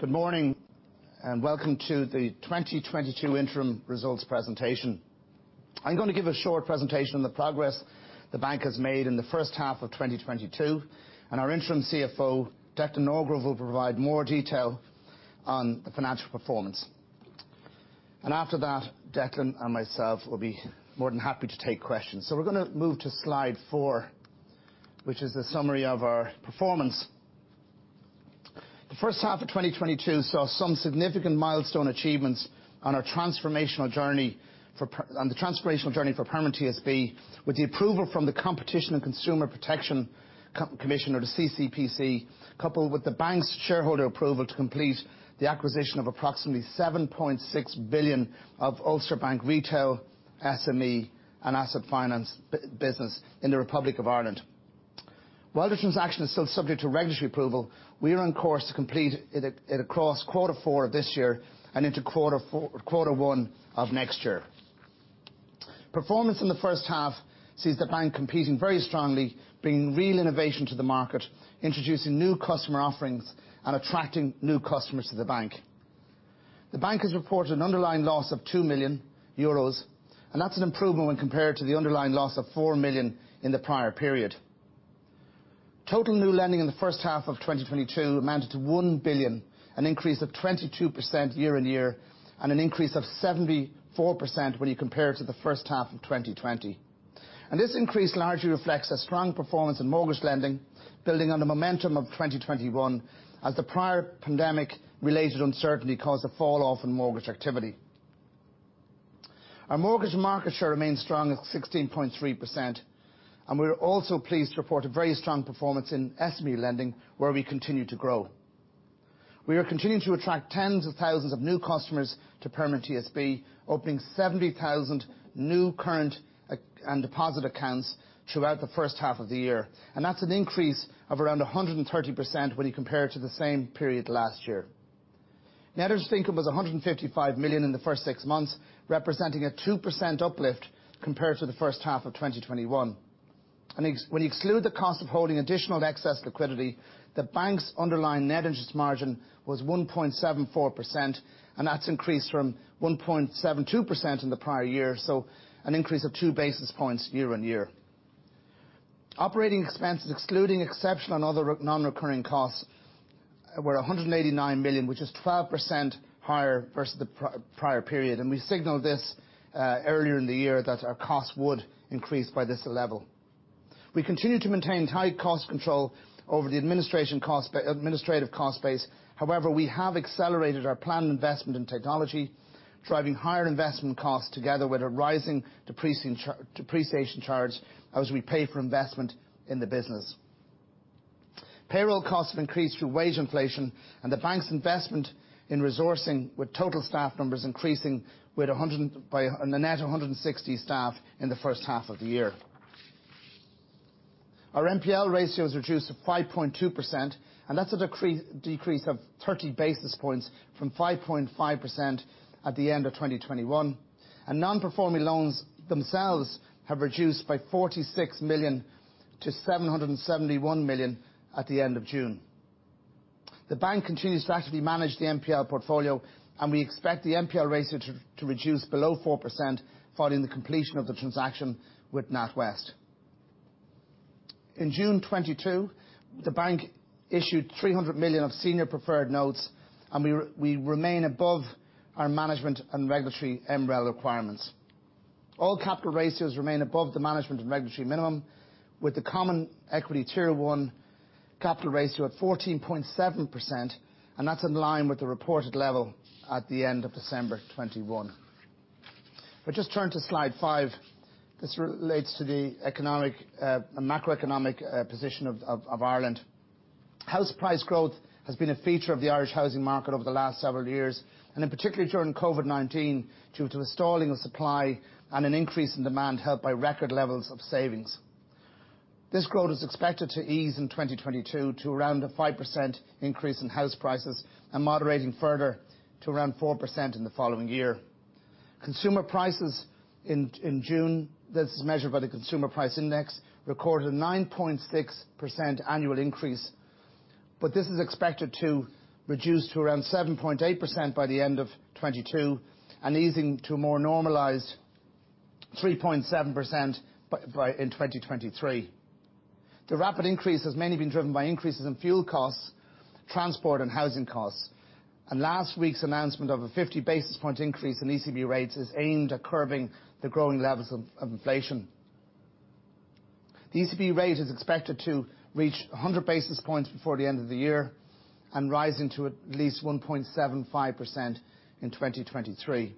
Good morning, and welcome to the 2022 interim results presentation. I'm gonna give a short presentation on the progress the bank has made in the first half of 2022, and our Interim CFO, Declan Norgrove, will provide more detail on the financial performance. After that, Declan and myself will be more than happy to take questions. We're gonna move to slide four, which is a summary of our performance. The first half of 2022 saw some significant milestone achievements on our transformational journey for Permanent TSB, with the approval from the Competition and Consumer Protection Commission, or the CCPC, coupled with the bank's shareholder approval to complete the acquisition of approximately 7.6 billion of Ulster Bank retail, SME, and asset finance business in the Republic of Ireland. While the transaction is still subject to regulatory approval, we are on course to complete it across quarter four of this year and into quarter one of next year. Performance in the first half sees the bank competing very strongly, bringing real innovation to the market, introducing new customer offerings, and attracting new customers to the bank. The bank has reported an underlying loss of 2 million euros, and that's an improvement when compared to the underlying loss of 4 million in the prior period. Total new lending in the first half of 2022 amounted to 1 billion, an increase of 22% year-on-year, and an increase of 74% when you compare it to the first half of 2020. This increase largely reflects a strong performance in mortgage lending, building on the momentum of 2021 as the prior pandemic-related uncertainty caused a fall-off in mortgage activity. Our mortgage market share remains strong at 16.3%, and we're also pleased to report a very strong performance in SME lending, where we continue to grow. We are continuing to attract tens of thousands of new customers to Permanent TSB, opening 70,000 new current and deposit accounts throughout the first half of the year, and that's an increase of around 130% when you compare it to the same period last year. Net interest income was 155 million in the first six months, representing a 2% uplift compared to the first half of 2021. When you exclude the cost of holding additional excess liquidity, the bank's underlying net interest margin was 1.74%, and that's increased from 1.72% in the prior year, so an increase of 2 basis points year on year. Operating expenses, excluding exceptional and other non-recurring costs, were 189 million, which is 12% higher versus the prior period, and we signaled this earlier in the year, that our costs would increase by this level. We continue to maintain tight cost control over the administrative cost base. However, we have accelerated our planned investment in technology, driving higher investment costs together with a rising depreciation charge as we pay for investment in the business. Payroll costs have increased through wage inflation and the bank's investment in resourcing, with total staff numbers increasing by a net of 160 staff in the first half of the year. Our NPL ratio is reduced to 5.2%, and that's a decrease of 30 basis points from 5.5% at the end of 2021. Non-performing loans themselves have reduced by 46 million-771 million at the end of June. The bank continues to actively manage the NPL portfolio, and we expect the NPL ratio to reduce below 4% following the completion of the transaction with NatWest. In June 2022, the bank issued 300 million of senior preferred notes, and we remain above our management and regulatory MREL requirements. All capital ratios remain above the management and regulatory minimum, with the Common Equity Tier one capital ratio at 14.7%, and that's in line with the reported level at the end of December 2021. If I just turn to slide five, this relates to the macroeconomic position of Ireland. House price growth has been a feature of the Irish housing market over the last several years, and in particular during COVID-19, due to the stalling of supply and an increase in demand helped by record levels of savings. This growth is expected to ease in 2022 to around a 5% increase in house prices and moderating further to around 4% in the following year. Consumer prices in June, this is measured by the Consumer Price Index, recorded a 9.6% annual increase, but this is expected to reduce to around 7.8% by the end of 2022 and easing to a more normalized 3.7% by 2023. The rapid increase has mainly been driven by increases in fuel costs, transport, and housing costs. Last week's announcement of a 50 basis point increase in ECB rates is aimed at curbing the growing levels of inflation. The ECB rate is expected to reach 100 basis points before the end of the year and rising to at least 1.75% in 2023.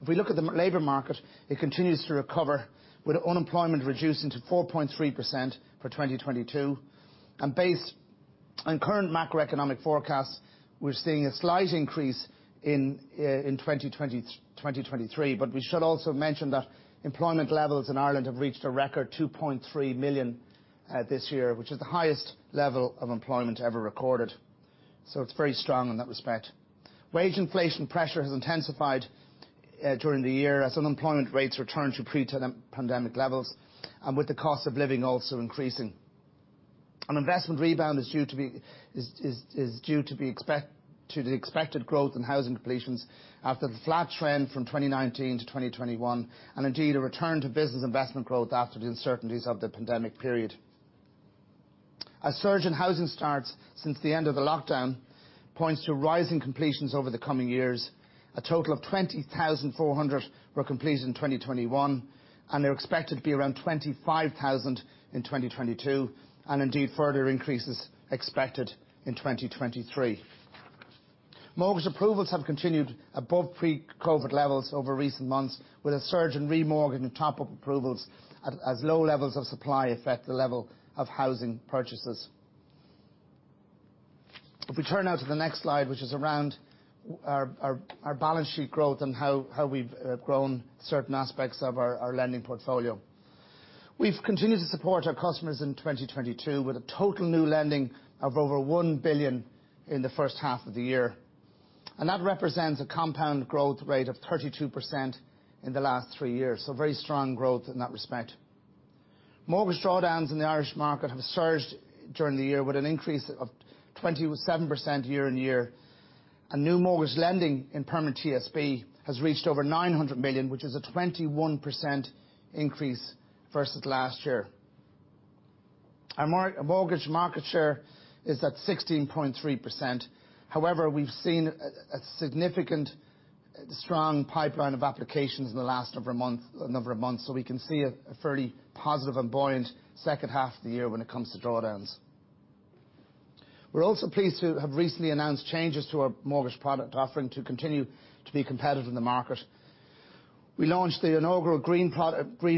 If we look at the labor market, it continues to recover, with unemployment reducing to 4.3% for 2022. Based on current macroeconomic forecasts, we're seeing a slight increase in 2023. We should also mention that employment levels in Ireland have reached a record 2.3 million this year, which is the highest level of employment ever recorded. It's very strong in that respect. Wage inflation pressure has intensified during the year as unemployment rates return to pre-pandemic levels, and with the cost of living also increasing. An investment rebound is due to the expected growth in housing completions after the flat trend from 2019 to 2021, and indeed a return to business investment growth after the uncertainties of the pandemic period. A surge in housing starts since the end of the lockdown points to rising completions over the coming years. A total of 20,400 were completed in 2021, and they're expected to be around 25,000 in 2022, and indeed further increases expected in 2023. Mortgage approvals have continued above pre-COVID levels over recent months, with a surge in remortgage and top-up approvals, as low levels of supply affect the level of housing purchases. If we turn now to the next slide, which is around our balance sheet growth and how we've grown certain aspects of our lending portfolio. We've continued to support our customers in 2022 with a total new lending of over 1 billion in the first half of the year, and that represents a compound growth rate of 32% in the last three years. Very strong growth in that respect. Mortgage drawdowns in the Irish market have surged during the year with an increase of 27% year-on-year, and new mortgage lending in Permanent TSB has reached over 900 million, which is a 21% increase versus last year. Our mortgage market share is at 16.3%. However, we've seen a significant, strong pipeline of applications in the last number of months, so we can see a fairly positive and buoyant second half of the year when it comes to drawdowns. We're also pleased to have recently announced changes to our mortgage product offering to continue to be competitive in the market. We launched the inaugural Green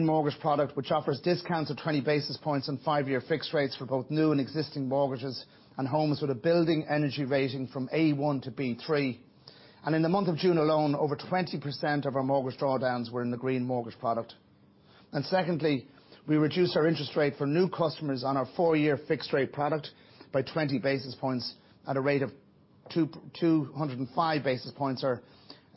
Mortgage product, which offers discounts of 20 basis points on five-year fixed rates for both new and existing mortgages and homes with a Building Energy Rating from A1 to B3. In the month of June alone, over 20% of our mortgage drawdowns were in the Green Mortgage product. Secondly, we reduced our interest rate for new customers on our four-year fixed rate product by 20 basis points at a rate of 205 basis points,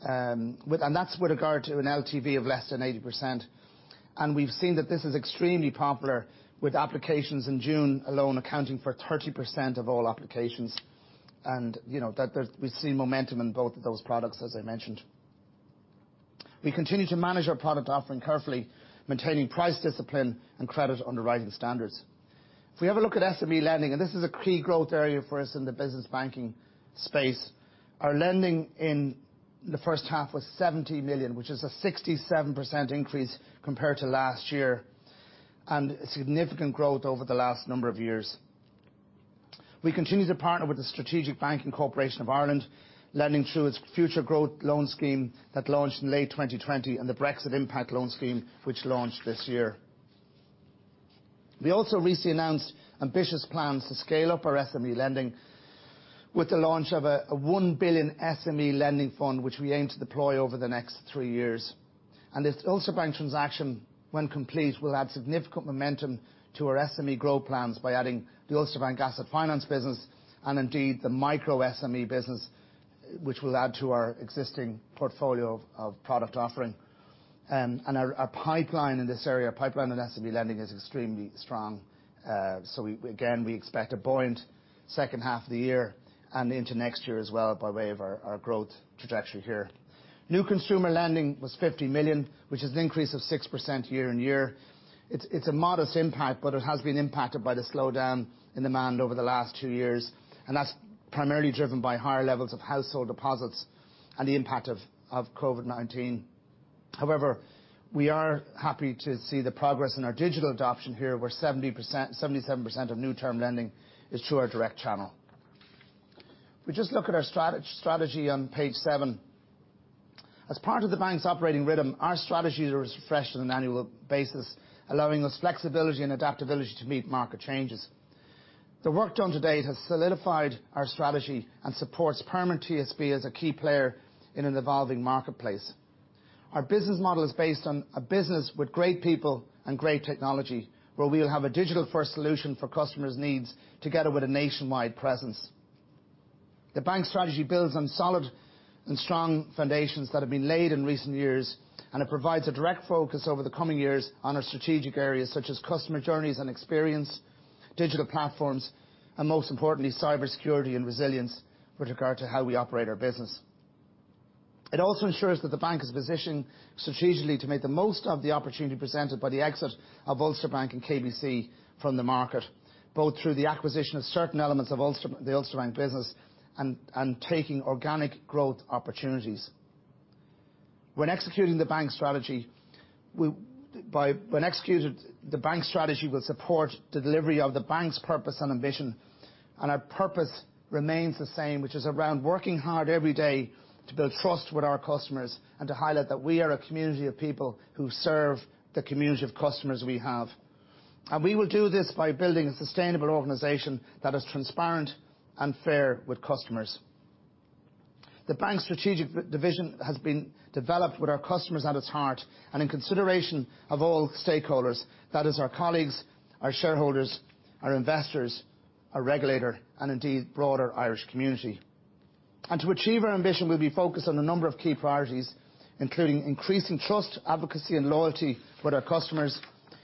and that's with regard to an LTV of less than 80%. We've seen that this is extremely popular, with applications in June alone accounting for 30% of all applications. You know, we've seen momentum in both of those products, as I mentioned. We continue to manage our product offering carefully, maintaining price discipline and credit underwriting standards. If we have a look at SME lending, and this is a key growth area for us in the business banking space, our lending in the first half was 70 million, which is a 67% increase compared to last year, and a significant growth over the last number of years. We continue to partner with the Strategic Banking Corporation of Ireland, lending through its Future Growth Loan Scheme that launched in late 2020 and the Brexit Impact Loan Scheme which launched this year. We also recently announced ambitious plans to scale up our SME lending with the launch of a 1 billion SME lending fund, which we aim to deploy over the next three years. This Ulster Bank transaction, when complete, will add significant momentum to our SME growth plans by adding the Ulster Bank asset finance business and indeed the micro-SME business, which will add to our existing portfolio of product offering. Our pipeline in this area, our pipeline in SME lending is extremely strong. We again expect a buoyant second half of the year and into next year as well by way of our growth trajectory here. New consumer lending was 50 million, which is an increase of 6% year-on-year. It's a modest impact, but it has been impacted by the slowdown in demand over the last two years, and that's primarily driven by higher levels of household deposits and the impact of COVID-19. However, we are happy to see the progress in our digital adoption here, where 70%, 77% of new term lending is through our direct channel. If we just look at our strategy on page seven. As part of the bank's operating rhythm, our strategy is refreshed on an annual basis, allowing us flexibility and adaptability to meet market changes. The work done to date has solidified our strategy and supports Permanent TSB as a key player in an evolving marketplace. Our business model is based on a business with great people and great technology, where we'll have a digital-first solution for customers' needs together with a nationwide presence. The bank's strategy builds on solid and strong foundations that have been laid in recent years, and it provides a direct focus over the coming years on our strategic areas such as customer journeys and experience, digital platforms, and most importantly, cybersecurity and resilience with regard to how we operate our business. It also ensures that the bank is positioned strategically to make the most of the opportunity presented by the exit of Ulster Bank and KBC from the market, both through the acquisition of certain elements of Ulster, the Ulster Bank business and taking organic growth opportunities. When executed, the bank's strategy will support the delivery of the bank's purpose and ambition. Our purpose remains the same, which is around working hard every day to build trust with our customers and to highlight that we are a community of people who serve the community of customers we have. We will do this by building a sustainable organization that is transparent and fair with customers. The bank's strategic direction has been developed with our customers at its heart and in consideration of all stakeholders, that is our colleagues, our shareholders, our investors, our regulator, and indeed broader Irish community. To achieve our ambition, we'll be focused on a number of key priorities, including increasing trust, advocacy and loyalty with our customers,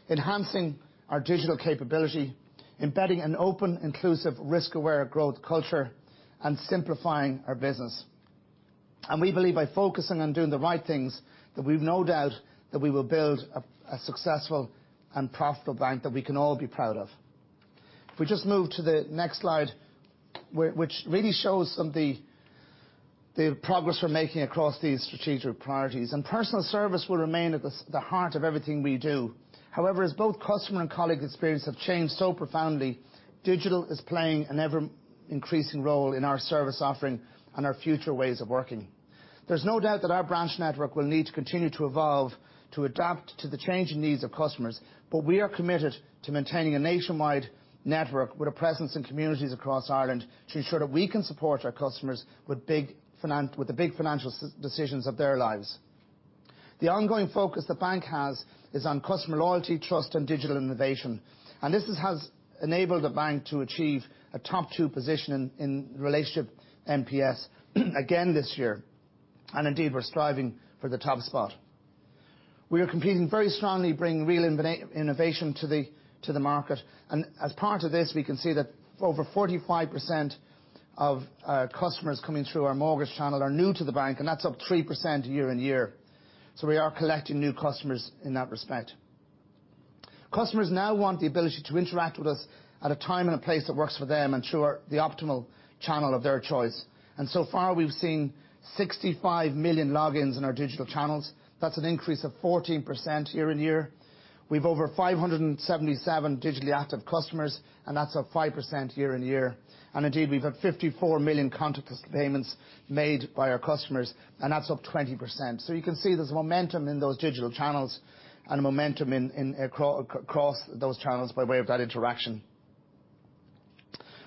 enhancing our digital capability, embedding an open, inclusive, risk-aware growth culture, and simplifying our business. We believe by focusing on doing the right things that we've no doubt that we will build a successful and profitable bank that we can all be proud of. If we just move to the next slide, which really shows some of the progress we're making across these strategic priorities. Personal service will remain at the heart of everything we do. However, as both customer and colleague experience have changed so profoundly, digital is playing an ever-increasing role in our service offering and our future ways of working. There's no doubt that our branch network will need to continue to evolve to adapt to the changing needs of customers, but we are committed to maintaining a nationwide network with a presence in communities across Ireland to ensure that we can support our customers with the big financial decisions of their lives. The ongoing focus the bank has is on customer loyalty, trust and digital innovation, and this has enabled the bank to achieve a top two position in relationship NPS again this year. Indeed, we're striving for the top spot. We are competing very strongly, bringing real innovation to the market. As part of this, we can see that over 45% of our customers coming through our mortgage channel are new to the bank, and that's up 3% year-over-year. We are collecting new customers in that respect. Customers now want the ability to interact with us at a time and a place that works for them and through the optimal channel of their choice. So far, we've seen 65 million logins in our digital channels. That's an increase of 14% year-over-year. We've 577 digitally active customers, and that's up 5% year-on-year. Indeed, we've had 54 million contactless payments made by our customers, and that's up 20%. You can see there's momentum in those digital channels and a momentum across those channels by way of that interaction.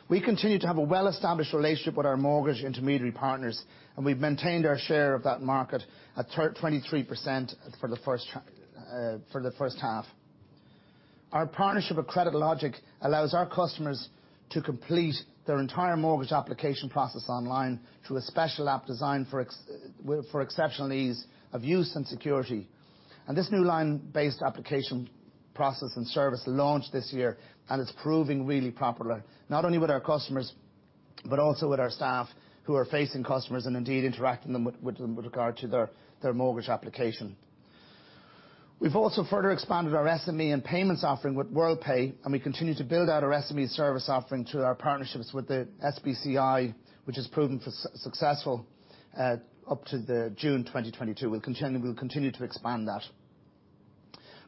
We continue to have a well-established relationship with our mortgage intermediary partners, and we've maintained our share of that market at 23% for the first half. Our partnership with CreditLogic allows our customers to complete their entire mortgage application process online through a special app designed for exceptional ease of use and security. This new online-based application process and service launched this year, and it's proving really popular, not only with our customers, but also with our staff who are facing customers and indeed interacting with them with regard to their mortgage application. We've also further expanded our SME and payments offering with Worldpay, and we continue to build out our SME service offering through our partnerships with the SBCI, which has proven successful up to June 2022. We'll continue to expand that.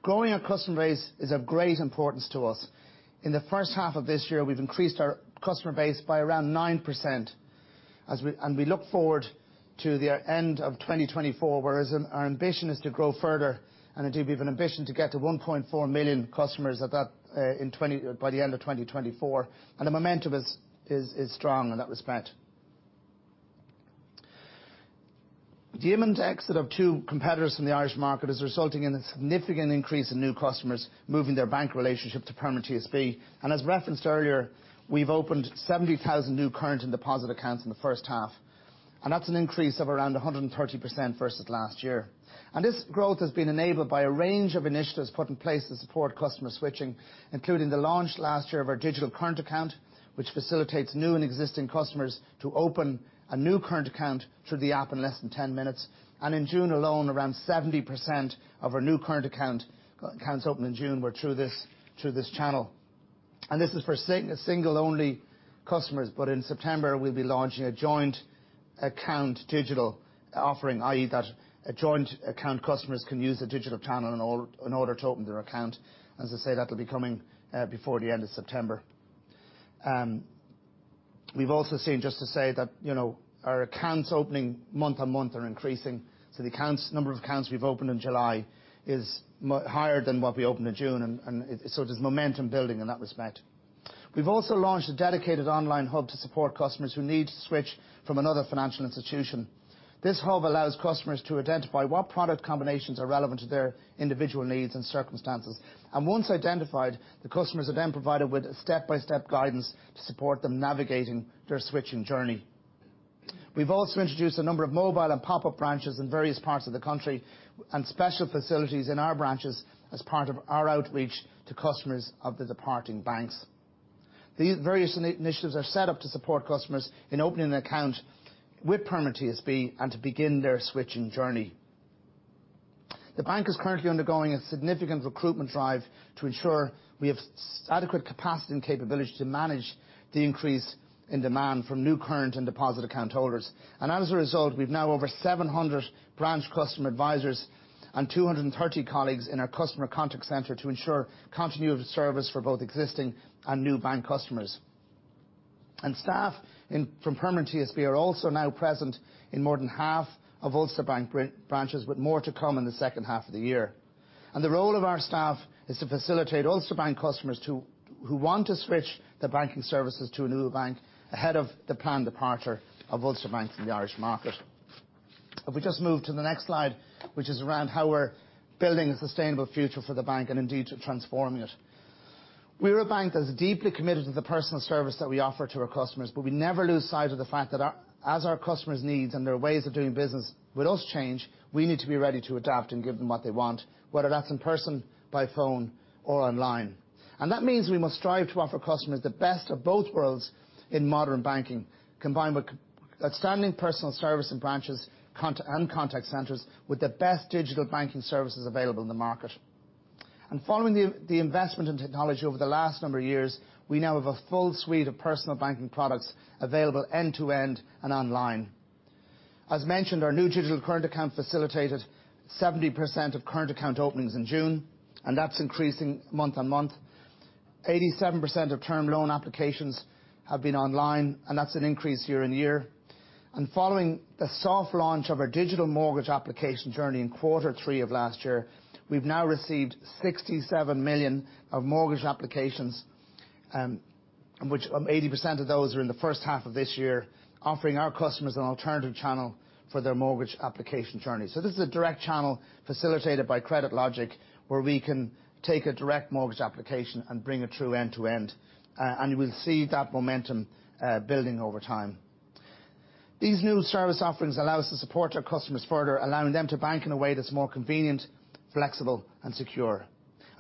Growing our customer base is of great importance to us. In the first half of this year, we've increased our customer base by around 9%. We look forward to the end of 2024, whereas our ambition is to grow further, and indeed, we have an ambition to get to 1.4 million customers by the end of 2024. The momentum is strong in that respect. The imminent exit of two competitors from the Irish market is resulting in a significant increase in new customers moving their bank relationship to Permanent TSB. As referenced earlier, we've opened 70,000 new current and deposit accounts in the first half, and that's an increase of around 130% versus last year. This growth has been enabled by a range of initiatives put in place to support customer switching, including the launch last year of our digital current account, which facilitates new and existing customers to open a new current account through the app in less than 10 minutes. In June alone, around 70% of our new current account accounts opened in June were through this channel. This is for single only customers. In September, we'll be launching a joint account digital offering, i.e., that a joint account customers can use a digital channel in order to open their account. As I say, that'll be coming before the end of September. We've also seen, just to say that, you know, our accounts opening month-on-month are increasing. The number of accounts we've opened in July is higher than what we opened in June, and so there's momentum building in that respect. We've also launched a dedicated online hub to support customers who need to switch from another financial institution. This hub allows customers to identify what product combinations are relevant to their individual needs and circumstances. Once identified, the customers are then provided with step-by-step guidance to support them navigating their switching journey. We've also introduced a number of mobile and pop-up branches in various parts of the country and special facilities in our branches as part of our outreach to customers of the departing banks. These various initiatives are set up to support customers in opening an account with Permanent TSB and to begin their switching journey. The bank is currently undergoing a significant recruitment drive to ensure we have adequate capacity and capability to manage the increase in demand from new current and deposit account holders. As a result, we've now over 700 branch customer advisors and 230 colleagues in our customer contact center to ensure continuity of service for both existing and new bank customers. Staff from Permanent TSB are also now present in more than half of Ulster Bank branches, with more to come in the second half of the year. The role of our staff is to facilitate Ulster Bank customers to, who want to switch their banking services to a new bank ahead of the planned departure of Ulster Bank from the Irish market. If we just move to the next slide, which is around how we're building a sustainable future for the bank, and indeed, to transform it. We're a bank that's deeply committed to the personal service that we offer to our customers, but we never lose sight of the fact that our, as our customers' needs and their ways of doing business with us change, we need to be ready to adapt and give them what they want, whether that's in person, by phone, or online. that means we must strive to offer customers the best of both worlds in modern banking, combined with outstanding personal service and branches and contact centers with the best digital banking services available in the market. Following the investment in technology over the last number of years, we now have a full suite of personal banking products available end to end and online. As mentioned, our new digital current account facilitated 70% of current account openings in June, and that's increasing month-on-month. 87% of term loan applications have been online, and that's an increase year-on-year. Following the soft launch of our digital mortgage application journey in quarter three of last year, we've now received 67 million of mortgage applications, which 80% of those are in the first half of this year, offering our customers an alternative channel for their mortgage application journey. This is a direct channel facilitated by CreditLogic, where we can take a direct mortgage application and bring it through end to end. We'll see that momentum building over time. These new service offerings allow us to support our customers further, allowing them to bank in a way that's more convenient, flexible, and secure.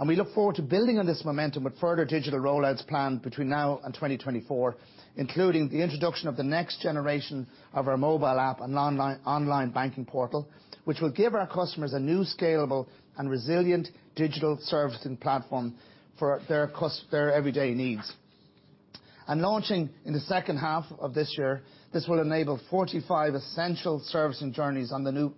We look forward to building on this momentum with further digital rollouts planned between now and 2024, including the introduction of the next generation of our mobile app and online banking portal, which will give our customers a new scalable and resilient digital servicing platform for their everyday needs. Launching in the second half of this year, this will enable 45 essential servicing journeys on the new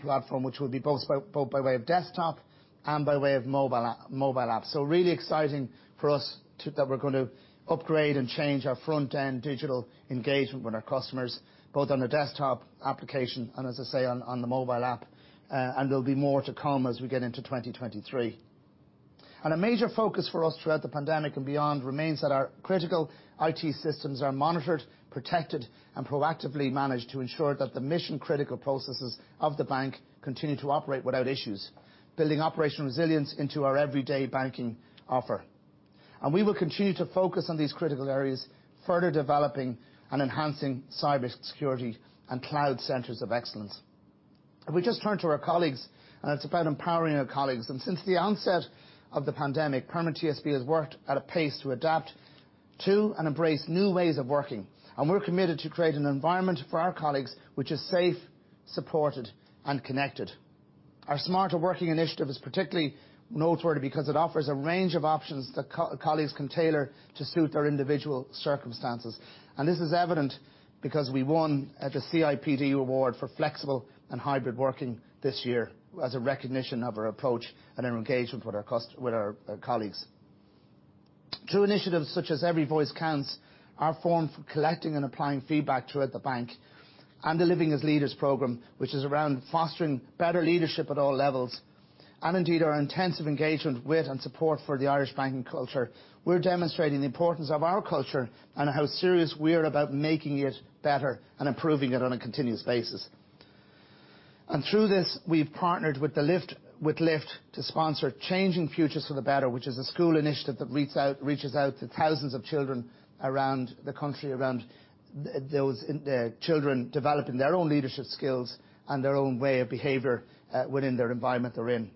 platform, which will be both by way of desktop and by way of mobile app. Really exciting for us that we're gonna upgrade and change our front-end digital engagement with our customers, both on the desktop application and, as I say, on the mobile app. There'll be more to come as we get into 2023. A major focus for us throughout the pandemic and beyond remains that our critical IT systems are monitored, protected, and proactively managed to ensure that the mission-critical processes of the bank continue to operate without issues, building operational resilience into our everyday banking offer. We will continue to focus on these critical areas, further developing and enhancing cybersecurity and cloud centers of excellence. If we just turn to our colleagues, it's about empowering our colleagues. Since the onset of the pandemic, Permanent TSB has worked at a pace to adapt to and embrace new ways of working. We're committed to create an environment for our colleagues which is safe, supported, and connected. Our smarter working initiative is particularly noteworthy because it offers a range of options that colleagues can tailor to suit their individual circumstances. This is evident because we won at the CIPD Award for flexible and hybrid working this year as a recognition of our approach and our engagement with our colleagues. Through initiatives such as Every Voice Counts, our forum for collecting and applying feedback throughout the bank, and the Living as Leaders program, which is around fostering better leadership at all levels, and indeed our intensive engagement with and support for the Irish banking culture, we're demonstrating the importance of our culture and how serious we are about making it better and improving it on a continuous basis. Through this, we've partnered with LIFT Ireland to sponsor Changing Futures for the Better, which is a school initiative that reaches out to thousands of children around the country, those children developing their own leadership skills and their own way of behavior within their environment they're in.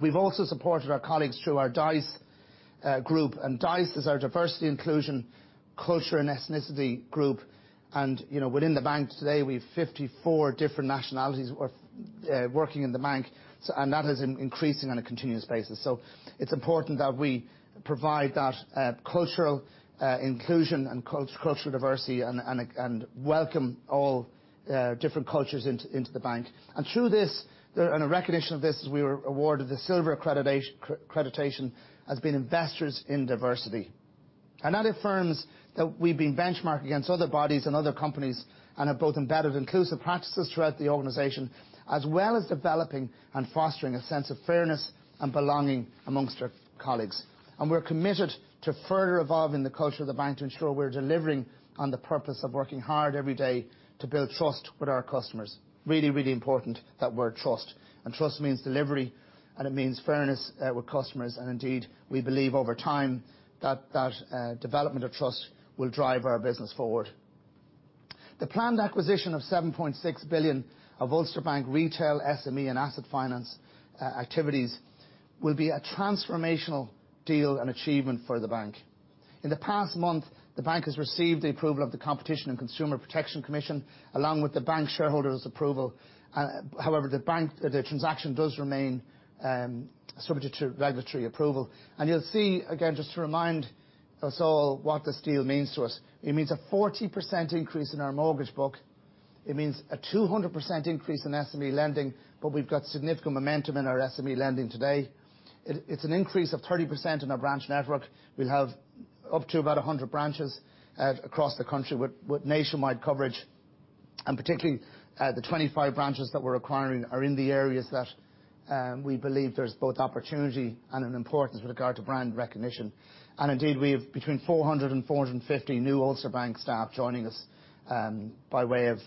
We've also supported our colleagues through our DICE group, and DICE is our Diversity, Inclusion, Culture, and Ethnicity group. You know, within the bank today, we have 54 different nationalities working in the bank, and that is increasing on a continuous basis. It's important that we provide that cultural inclusion and cultural diversity and welcome all different cultures into the bank. Through this, and a recognition of this is we were awarded the silver accreditation as being investors in diversity. That affirms that we've been benchmarked against other bodies and other companies and have both embedded inclusive practices throughout the organization, as well as developing and fostering a sense of fairness and belonging among our colleagues. We're committed to further evolving the culture of the bank to ensure we're delivering on the purpose of working hard every day to build trust with our customers. Really, really important, that word trust, and trust means delivery, and it means fairness with customers. Indeed, we believe over time that development of trust will drive our business forward. The planned acquisition of 7.6 billion of Ulster Bank retail, SME, and asset finance activities will be a transformational deal and achievement for the bank. In the past month, the bank has received the approval of the Competition and Consumer Protection Commission, along with the bank shareholders' approval. However, the transaction does remain subject to regulatory approval. You'll see, again, just to remind us all what this deal means to us. It means a 40% increase in our mortgage book. It means a 200% increase in SME lending, but we've got significant momentum in our SME lending today. It's an increase of 30% in our branch network. We'll have up to about 100 branches across the country with nationwide coverage. Particularly, the 25 branches that we're acquiring are in the areas that we believe there's both opportunity and an importance with regard to brand recognition. Indeed, we have between 400 and 450 new Ulster Bank staff joining us, by way of,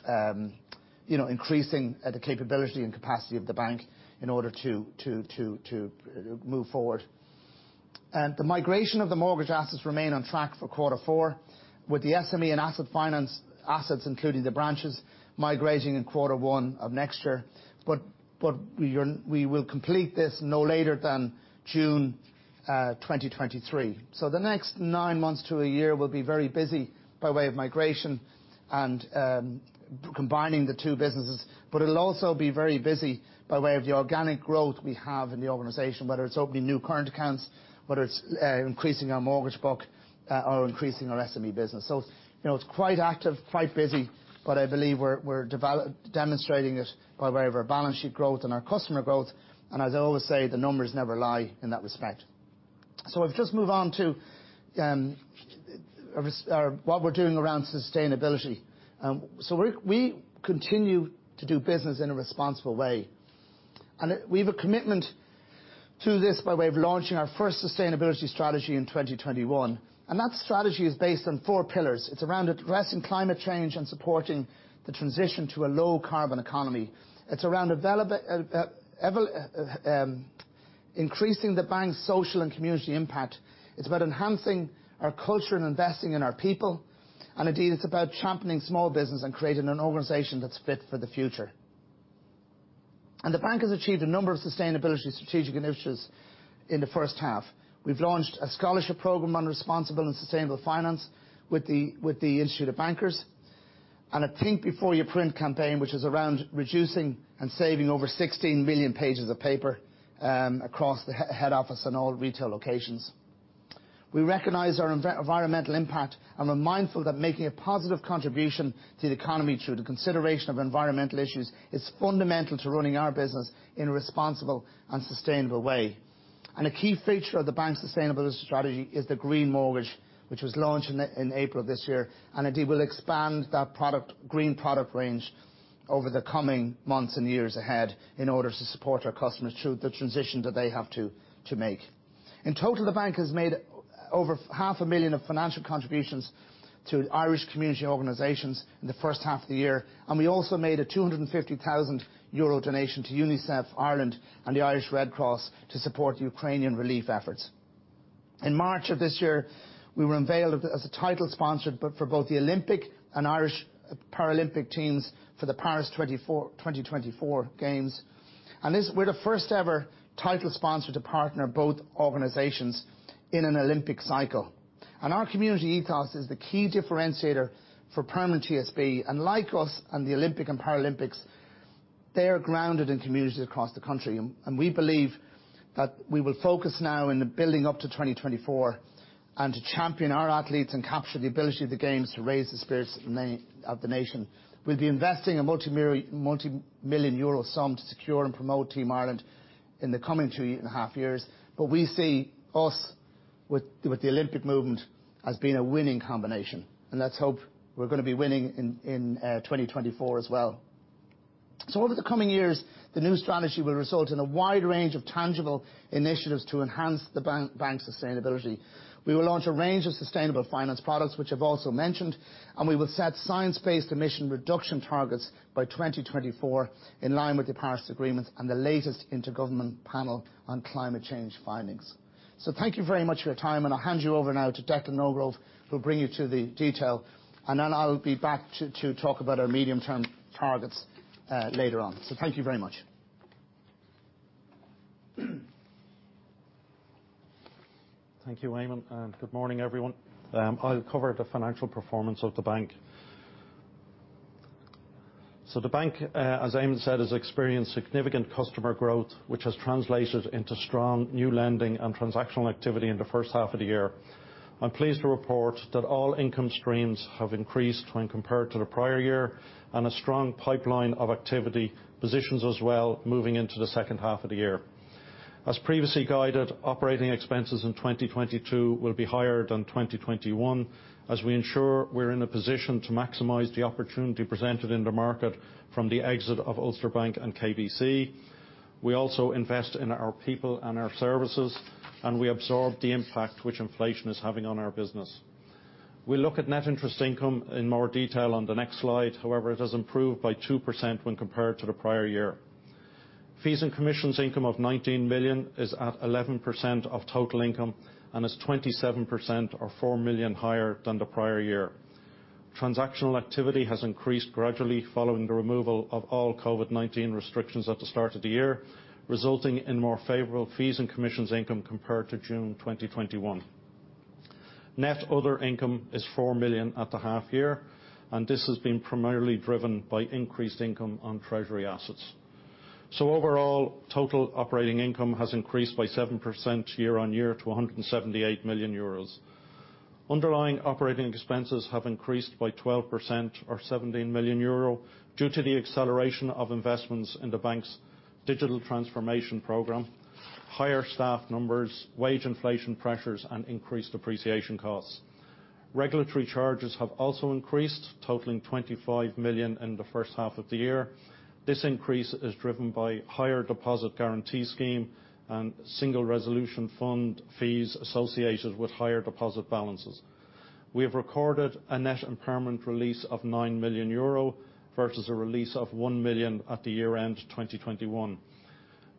you know, increasing the capability and capacity of the bank in order to to move forward. The migration of the mortgage assets remains on track for quarter four, with the SME and asset finance assets, including the branches, migrating in quarter one of next year. We will complete this no later than June 2023. The next nine months to a year will be very busy by way of migration and combining the two businesses. It will also be very busy by way of the organic growth we have in the organization, whether it is opening new current accounts, whether it is increasing our mortgage book, or increasing our SME business. You know, it's quite active, quite busy, but I believe we're demonstrating it by way of our balance sheet growth and our customer growth. As I always say, the numbers never lie in that respect. If we just move on to or what we're doing around sustainability. We continue to do business in a responsible way. We've a commitment to this by way of launching our first sustainability strategy in 2021, and that strategy is based on four pillars. It's around addressing climate change and supporting the transition to a low carbon economy. It's around increasing the bank's social and community impact. It's about enhancing our culture and investing in our people. Indeed, it's about championing small business and creating an organization that's fit for the future. The bank has achieved a number of sustainability strategic initiatives in the first half. We've launched a scholarship program on responsible and sustainable finance with the Institute of Banking, and a Think Before You Print campaign, which is around reducing and saving over 16 million pages of paper across the head office and all retail locations. We recognize our environmental impact, and we're mindful that making a positive contribution to the economy through the consideration of environmental issues is fundamental to running our business in a responsible and sustainable way. A key feature of the bank's sustainability strategy is the Green Mortgage, which was launched in April this year. Indeed, we'll expand that product, green product range over the coming months and years ahead in order to support our customers through the transition that they have to make. In total, the bank has made over half a million EUR of financial contributions to Irish community organizations in the first half of the year. We also made a 250,000 euro donation to UNICEF Ireland and the Irish Red Cross to support Ukrainian relief efforts. In March of this year, we were unveiled as a title sponsor for both Team Ireland and Paralympics Ireland for the Paris 2024 Games. This, we're the first ever title sponsor to partner both organizations in an Olympic cycle. Our community ethos is the key differentiator for Permanent TSB. Like us and the Olympics and Paralympics, they are grounded in communities across the country. We believe that we will focus now in the building up to 2024 and to champion our athletes and capture the ability of the games to raise the spirits of the nation. We'll be investing a multimillion EUR sum to secure and promote Team Ireland in the coming two and a half years. We see us with the Olympic movement as being a winning combination. Let's hope we're gonna be winning in 2024 as well. Over the coming years, the new strategy will result in a wide range of tangible initiatives to enhance the bank's sustainability. We will launch a range of sustainable finance products, which I've also mentioned, and we will set science-based emission reduction targets by 2024 in line with the Paris Agreement and the latest Intergovernmental Panel on Climate Change findings. Thank you very much for your time, and I'll hand you over now to Declan Norgrove, who'll bring you to the detail. Then I'll be back to talk about our medium-term targets later on. Thank you very much. Thank you, Eamonn, and good morning, everyone. I'll cover the financial performance of the bank. The bank, as Eamonn said, has experienced significant customer growth, which has translated into strong new lending and transactional activity in the first half of the year. I'm pleased to report that all income streams have increased when compared to the prior year, and a strong pipeline of activity positions us well moving into the second half of the year. As previously guided, operating expenses in 2022 will be higher than 2021, as we ensure we're in a position to maximize the opportunity presented in the market from the exit of Ulster Bank and KBC. We also invest in our people and our services, and we absorb the impact which inflation is having on our business. We look at net interest income in more detail on the next slide. However, it has improved by 2% when compared to the prior year. Fees and commissions income of 19 million is at 11% of total income and is 27% or 4 million higher than the prior year. Transactional activity has increased gradually following the removal of all COVID-19 restrictions at the start of the year, resulting in more favorable fees and commissions income compared to June 2021. Net other income is 4 million at the half year, and this has been primarily driven by increased income on treasury assets. Overall, total operating income has increased by 7% year-on-year to 178 million euros. Underlying operating expenses have increased by 12% or 17 million euro due to the acceleration of investments in the bank's digital transformation program, higher staff numbers, wage inflation pressures, and increased depreciation costs. Regulatory charges have also increased, totaling 25 million in the first half of the year. This increase is driven by higher Deposit Guarantee Scheme and Single Resolution Fund fees associated with higher deposit balances. We have recorded a net impairment release of 9 million euro versus a release of 1 million at the year-end 2021.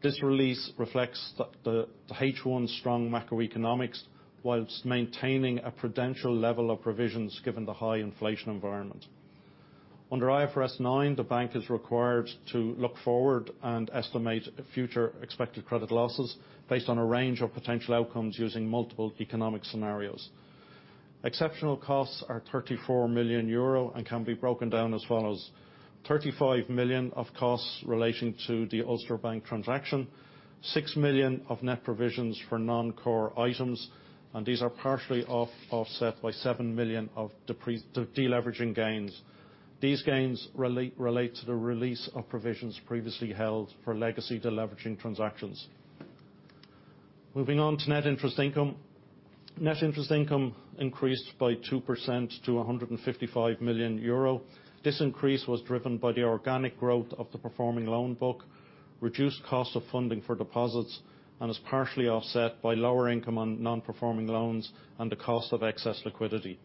This release reflects the H1 strong macroeconomics while maintaining a prudential level of provisions given the high inflation environment. Under IFRS9, the bank is required to look forward and estimate future expected credit losses based on a range of potential outcomes using multiple economic scenarios. Exceptional costs are 34 million euro and can be broken down as follows. Thirty-five million of costs relating to the Ulster Bank transaction, 6 million of net provisions for non-core items, and these are partially offset by 7 million of the deleveraging gains. These gains relate to the release of provisions previously held for legacy deleveraging transactions. Moving on to net interest income. Net interest income increased by 2% to 155 million euro. This increase was driven by the organic growth of the performing loan book, reduced cost of funding for deposits, and is partially offset by lower income on non-performing loans and the cost of excess liquidity.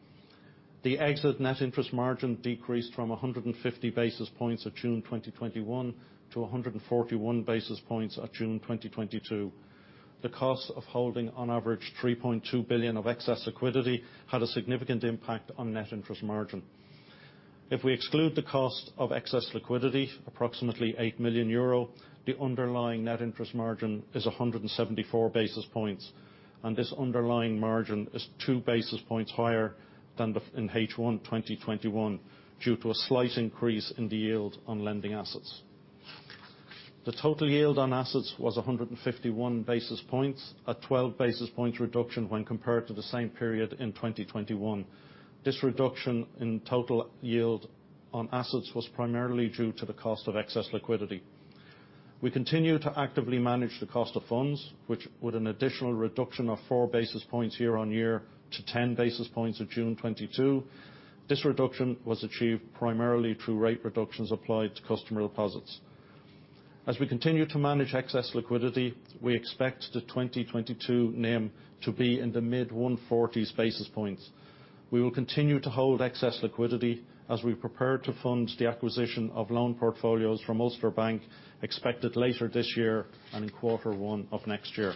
The exit net interest margin decreased from 150 basis points at June 2021 to 141 basis points at June 2022. The cost of holding on average 3.2 billion of excess liquidity had a significant impact on net interest margin. If we exclude the cost of excess liquidity, approximately 8 million euro, the underlying net interest margin is 174 basis points, and this underlying margin is 2 basis points higher than in H1 2021 due to a slight increase in the yield on lending assets. The total yield on assets was 151 basis points, a 12 basis points reduction when compared to the same period in 2021. This reduction in total yield on assets was primarily due to the cost of excess liquidity. We continue to actively manage the cost of funds, which with an additional reduction of 4 basis points year-on-year to 10 basis points at June 2022. This reduction was achieved primarily through rate reductions applied to customer deposits. As we continue to manage excess liquidity, we expect the 2022 NIM to be in the mid-140s basis points. We will continue to hold excess liquidity as we prepare to fund the acquisition of loan portfolios from Ulster Bank, expected later this year and in quarter one of next year.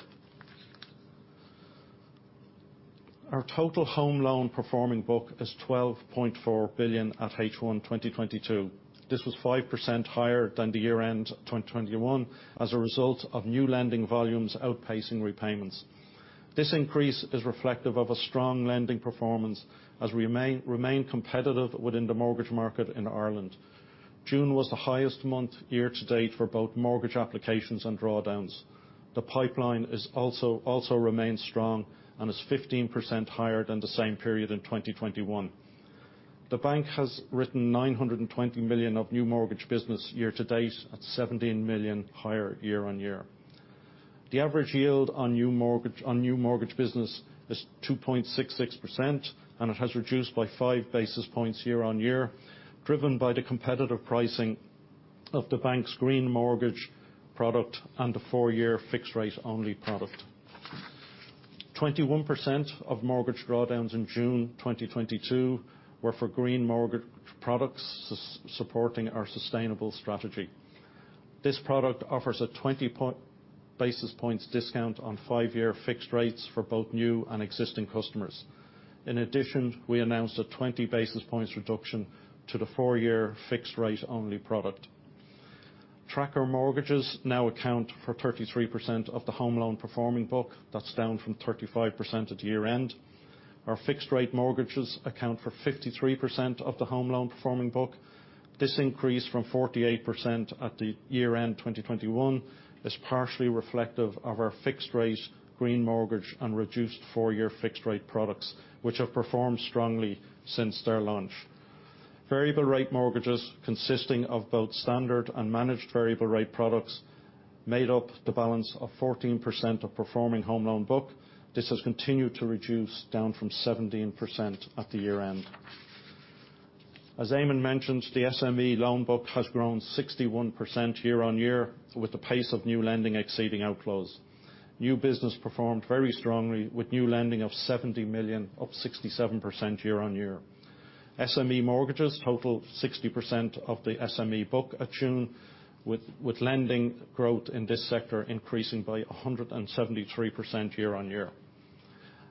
Our total home loan performing book is 12.4 billion at H1 2022. This was 5% higher than the year-end 2021 as a result of new lending volumes outpacing repayments. This increase is reflective of a strong lending performance as we remain competitive within the mortgage market in Ireland. June was the highest month year to date for both mortgage applications and drawdowns. The pipeline is also remains strong and is 15% higher than the same period in 2021. The bank has written 920 million of new mortgage business year to date at 17 million higher year-on-year. The average yield on new mortgage business is 2.66%, and it has reduced by 5 basis points year-on-year, driven by the competitive pricing of the bank's Green Mortgage product and the four-year fixed rate only product. 21% of mortgage drawdowns in June 2022 were for Green Mortgage products supporting our sustainable strategy. This product offers a 20 basis points discount on five-year fixed rates for both new and existing customers. In addition, we announced a 20 basis points reduction to the four-year fixed rate only product. Tracker mortgages now account for 33% of the home loan performing book. That's down from 35% at year-end. Our fixed-rate mortgages account for 53% of the home loan performing book. This increase from 48% at year-end 2021 is partially reflective of our fixed-rate Green Mortgage and reduced four-year fixed-rate products, which have performed strongly since their launch. Variable rate mortgages, consisting of both standard and managed variable rate products, made up the balance of 14% of performing home loan book. This has continued to reduce down from 17% at year-end. As Eamonn mentioned, the SME loan book has grown 61% year-on-year with the pace of new lending exceeding outflows. New business performed very strongly with new lending of 70 million, up 67% year-on-year. SME mortgages total 60% of the SME book at June, with lending growth in this sector increasing by 173% year-on-year.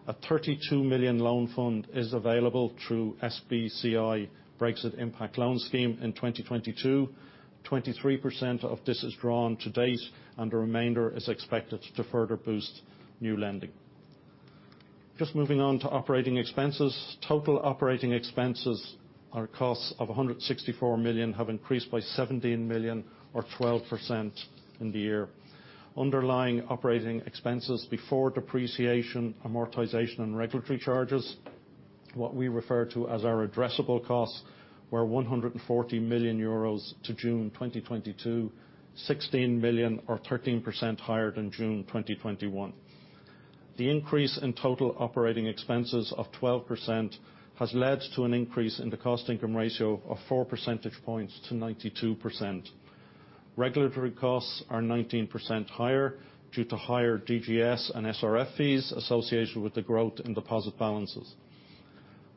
A 32 million loan fund is available through SBCI Brexit Impact Loan Scheme in 2022. 23% of this is drawn to date, and the remainder is expected to further boost new lending. Just moving on to operating expenses. Total operating expenses are costs of 164 million, have increased by 17 million or 12% in the year. Underlying operating expenses before depreciation, amortization, and regulatory charges, what we refer to as our addressable costs, were 140 million euros to June 2022, 16 million or 13% higher than June 2021. The increase in total operating expenses of 12% has led to an increase in the cost income ratio of 4 percentage points to 92%. Regulatory costs are 19% higher due to higher DGS and SRF fees associated with the growth in deposit balances.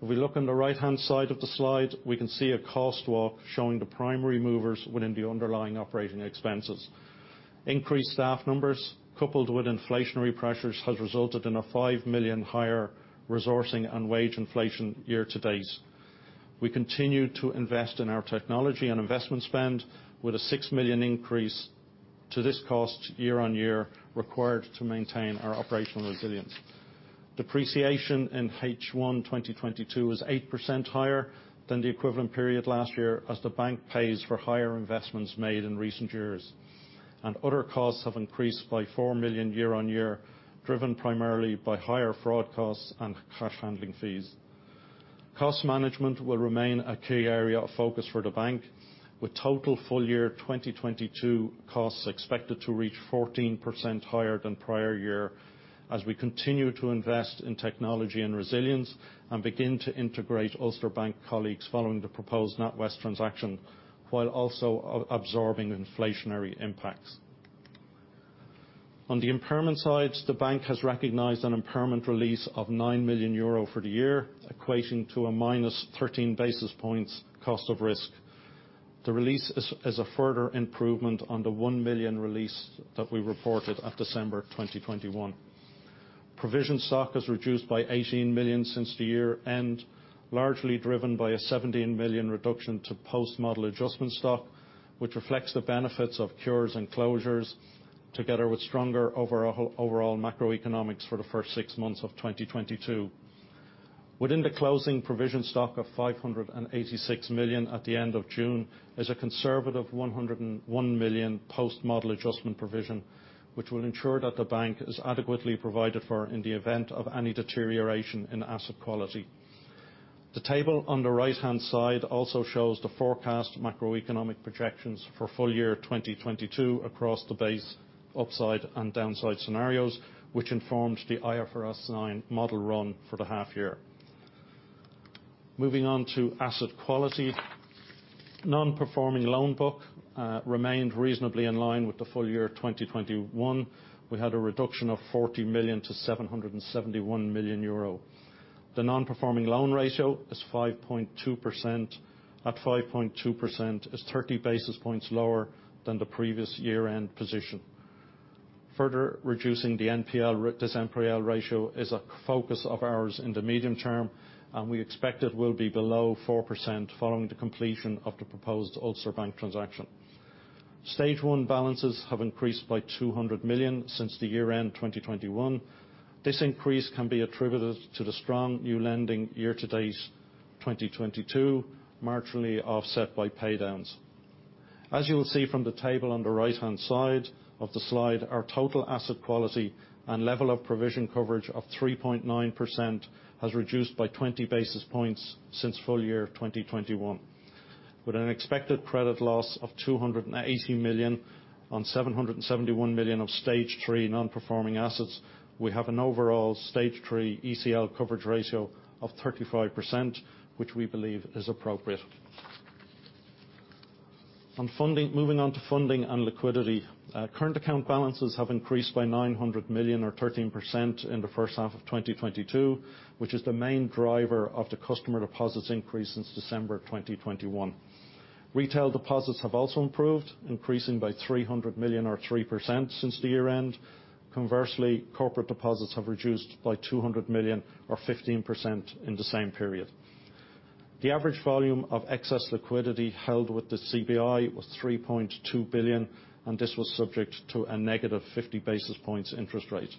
If we look on the right-hand side of the slide, we can see a cost walk showing the primary movers within the underlying operating expenses. Increased staff numbers, coupled with inflationary pressures, has resulted in a 5 million higher resourcing and wage inflation year-to-date. We continue to invest in our technology and investment spend with a 6 million increase to this cost year-on-year required to maintain our operational resilience. Depreciation in H1 2022 is 8% higher than the equivalent period last year as the bank pays for higher investments made in recent years. Other costs have increased by 4 million year-on-year, driven primarily by higher fraud costs and cash handling fees. Cost management will remain a key area of focus for the bank, with total full year 2022 costs expected to reach 14% higher than prior year as we continue to invest in technology and resilience and begin to integrate Ulster Bank colleagues following the proposed NatWest transaction, while also absorbing inflationary impacts. On the impairment side, the bank has recognized an impairment release of 9 million euro for the year, equating to a minus 13 basis points cost of risk. The release is a further improvement on the 1 million release that we reported at December 2021. Provision stock has reduced by 18 million since the year-end, largely driven by a 17 million reduction to post-model adjustment stock, which reflects the benefits of cures and closures, together with stronger overall macroeconomics for the first six months of 2022. Within the closing provision stock of 586 million at the end of June is a conservative 101 million post-model adjustment provision, which will ensure that the bank is adequately provided for in the event of any deterioration in asset quality. The table on the right-hand side also shows the forecast macroeconomic projections for full year 2022 across the base upside and downside scenarios, which informs the IFRS9 model run for the half year. Moving on to asset quality. Non-performing loan book remained reasonably in line with the full year of 2021. We had a reduction of 40 million- 771 million euro. The non-performing loan ratio is 5.2%. At 5.2%, it's 30 basis points lower than the previous year-end position. Further reducing the NPL, this NPL ratio is a focus of ours in the medium term, and we expect it will be below 4% following the completion of the proposed Ulster Bank transaction. Stage one balances have increased by 200 million since the year-end 2021. This increase can be attributed to the strong new lending year-to-date 2022, marginally offset by pay downs. As you will see from the table on the right-hand side of the slide, our total asset quality and level of provision coverage of 3.9% has reduced by 20 basis points since full year 2021. With an expected credit loss of 280 million on 771 million of Stage three non-performing assets, we have an overall Stage three ECL coverage ratio of 35%, which we believe is appropriate. On funding, moving on to funding and liquidity. Current account balances have increased by 900 million or 13% in the first half of 2022, which is the main driver of the customer deposits increase since December of 2021. Retail deposits have also improved, increasing by 300 million or 3% since the year-end. Conversely, corporate deposits have reduced by 200 million or 15% in the same period. The average volume of excess liquidity held with the CBI was 3.2 billion, and this was subject to a negative 50 basis points interest rate.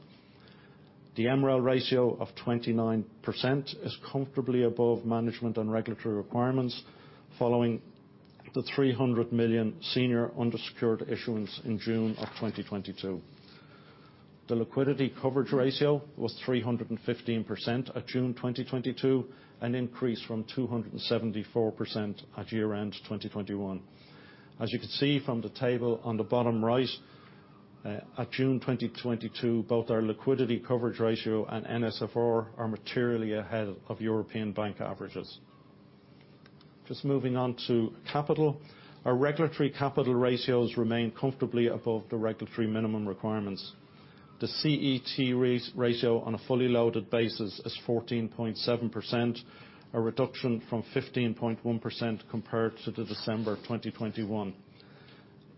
The MREL ratio of 29% is comfortably above management and regulatory requirements following the 300 million senior unsecured issuance in June of 2022. The liquidity coverage ratio was 315% at June 2022, an increase from 274% at year-end 2021. As you can see from the table on the bottom right, at June 2022, both our liquidity coverage ratio and NSFR are materially ahead of European bank averages. Just moving on to capital. Our regulatory capital ratios remain comfortably above the regulatory minimum requirements. The CET1 ratio on a fully loaded basis is 14.7%, a reduction from 15.1% compared to the December of 2021.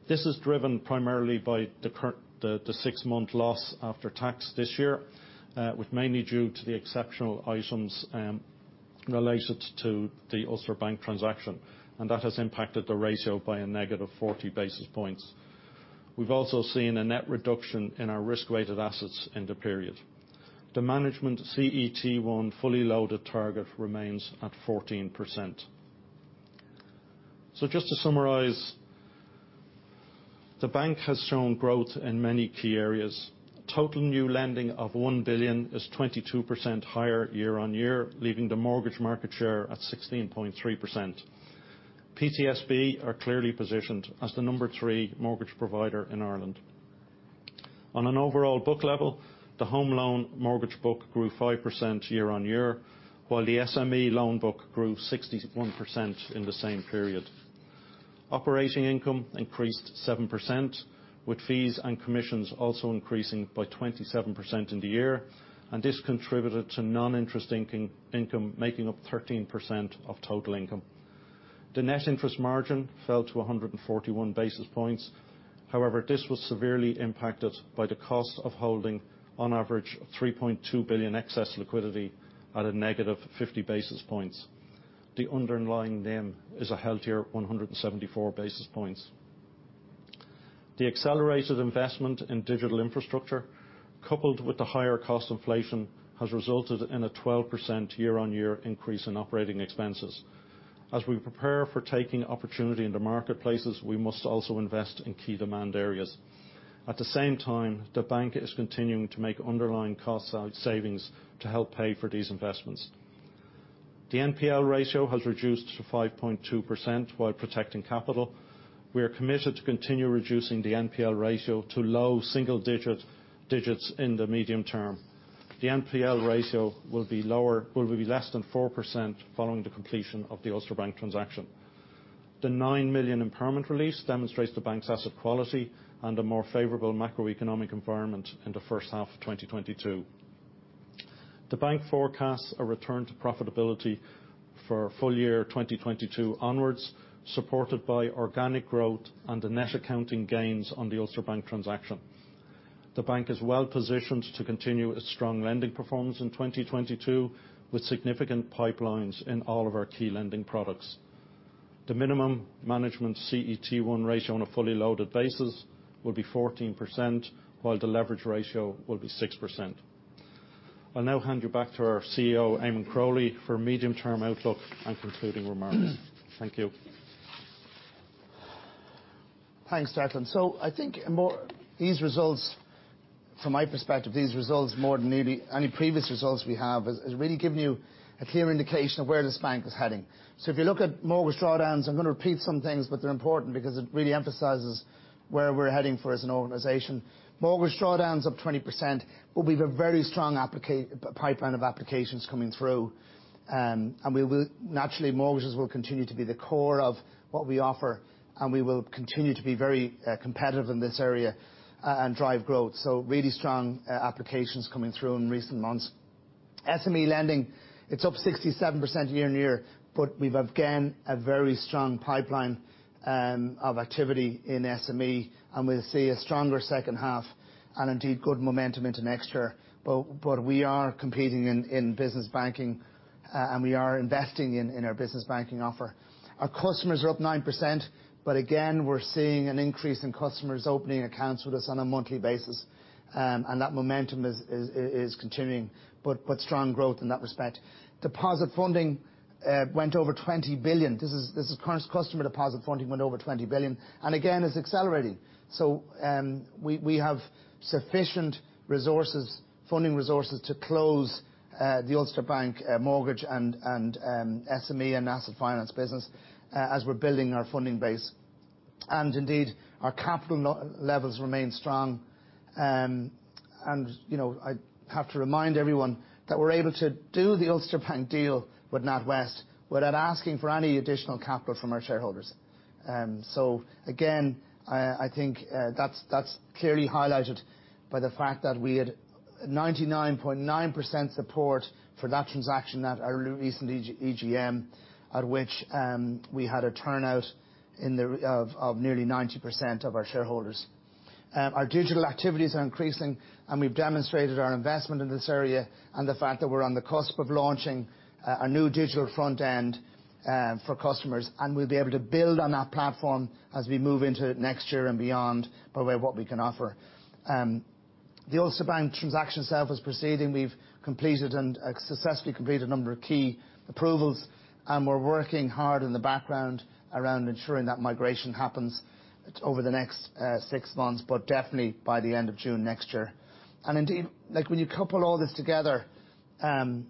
This is driven primarily by the six-month loss after tax this year, which is mainly due to the exceptional items related to the Ulster Bank transaction, and that has impacted the ratio by a negative 40 basis points. We've also seen a net reduction in our risk-weighted assets in the period. The management CET1 fully loaded target remains at 14%. Just to summarize, the bank has shown growth in many key areas. Total new lending of 1 billion is 22% higher year-on-year, leaving the mortgage market share at 16.3%. PTSB are clearly positioned as the number three mortgage provider in Ireland. On an overall book level, the home loan mortgage book grew 5% year-on-year, while the SME loan book grew 61% in the same period. Operating income increased 7%, with fees and commissions also increasing by 27% in the year, and this contributed to non-interest income making up 13% of total income. The net interest margin fell to 141 basis points. However, this was severely impacted by the cost of holding on average 3.2 billion excess liquidity at a negative 50 basis points. The underlying NIM is a healthier 174 basis points. The accelerated investment in digital infrastructure, coupled with the higher cost inflation, has resulted in a 12% year-on-year increase in operating expenses. As we prepare for taking opportunity in the marketplaces, we must also invest in key demand areas. At the same time, the bank is continuing to make underlying cost savings to help pay for these investments. The NPL ratio has reduced to 5.2% while protecting capital. We are committed to continue reducing the NPL ratio to low single digits in the medium term. The NPL ratio will be less than 4% following the completion of the Ulster Bank transaction. The 9 million impairment release demonstrates the bank's asset quality and a more favorable macroeconomic environment in the first half of 2022. The bank forecasts a return to profitability for full year 2022 onwards, supported by organic growth and the net accounting gains on the Ulster Bank transaction. The bank is well-positioned to continue its strong lending performance in 2022, with significant pipelines in all of our key lending products. The minimum management CET1 ratio on a fully loaded basis will be 14%, while the leverage ratio will be 6%. I'll now hand you back to our CEO, Eamonn Crowley, for medium-term outlook and concluding remarks. Thank you. Thanks, Declan. I think more these results, from my perspective, these results more than maybe any previous results we have, is really giving you a clear indication of where this bank is heading. If you look at mortgage drawdowns, I'm gonna repeat some things, but they're important because it really emphasizes where we're heading for as an organization. Mortgage drawdowns up 20%, but we've a very strong pipeline of applications coming through. Naturally mortgages will continue to be the core of what we offer, and we will continue to be very competitive in this area and drive growth. Really strong applications coming through in recent months. SME lending, it's up 67% year-on-year, but we have a very strong pipeline of activity in SME, and we'll see a stronger second half and indeed good momentum into next year. We are competing in business banking, and we are investing in our business banking offer. Our customers are up 9%, but again, we're seeing an increase in customers opening accounts with us on a monthly basis, and that momentum is continuing, but strong growth in that respect. Deposit funding went over 20 billion. This is current customer deposit funding went over 20 billion, and again is accelerating. We have sufficient resources, funding resources to close the Ulster Bank mortgage and SME and asset finance business as we're building our funding base. Indeed, our capital levels remain strong. You know, I have to remind everyone that we're able to do the Ulster Bank deal with NatWest without asking for any additional capital from our shareholders. So again, I think that's clearly highlighted by the fact that we had 99.9% support for that transaction at our recent EGM, at which we had a turnout of nearly 90% of our shareholders. Our digital activities are increasing, and we've demonstrated our investment in this area and the fact that we're on the cusp of launching a new digital front end for customers, and we'll be able to build on that platform as we move into next year and beyond by way of what we can offer. The Ulster Bank transaction itself is proceeding. We've successfully completed a number of key approvals, and we're working hard in the background around ensuring that migration happens over the next six months, but definitely by the end of June next year. Indeed, like when you couple all this together, and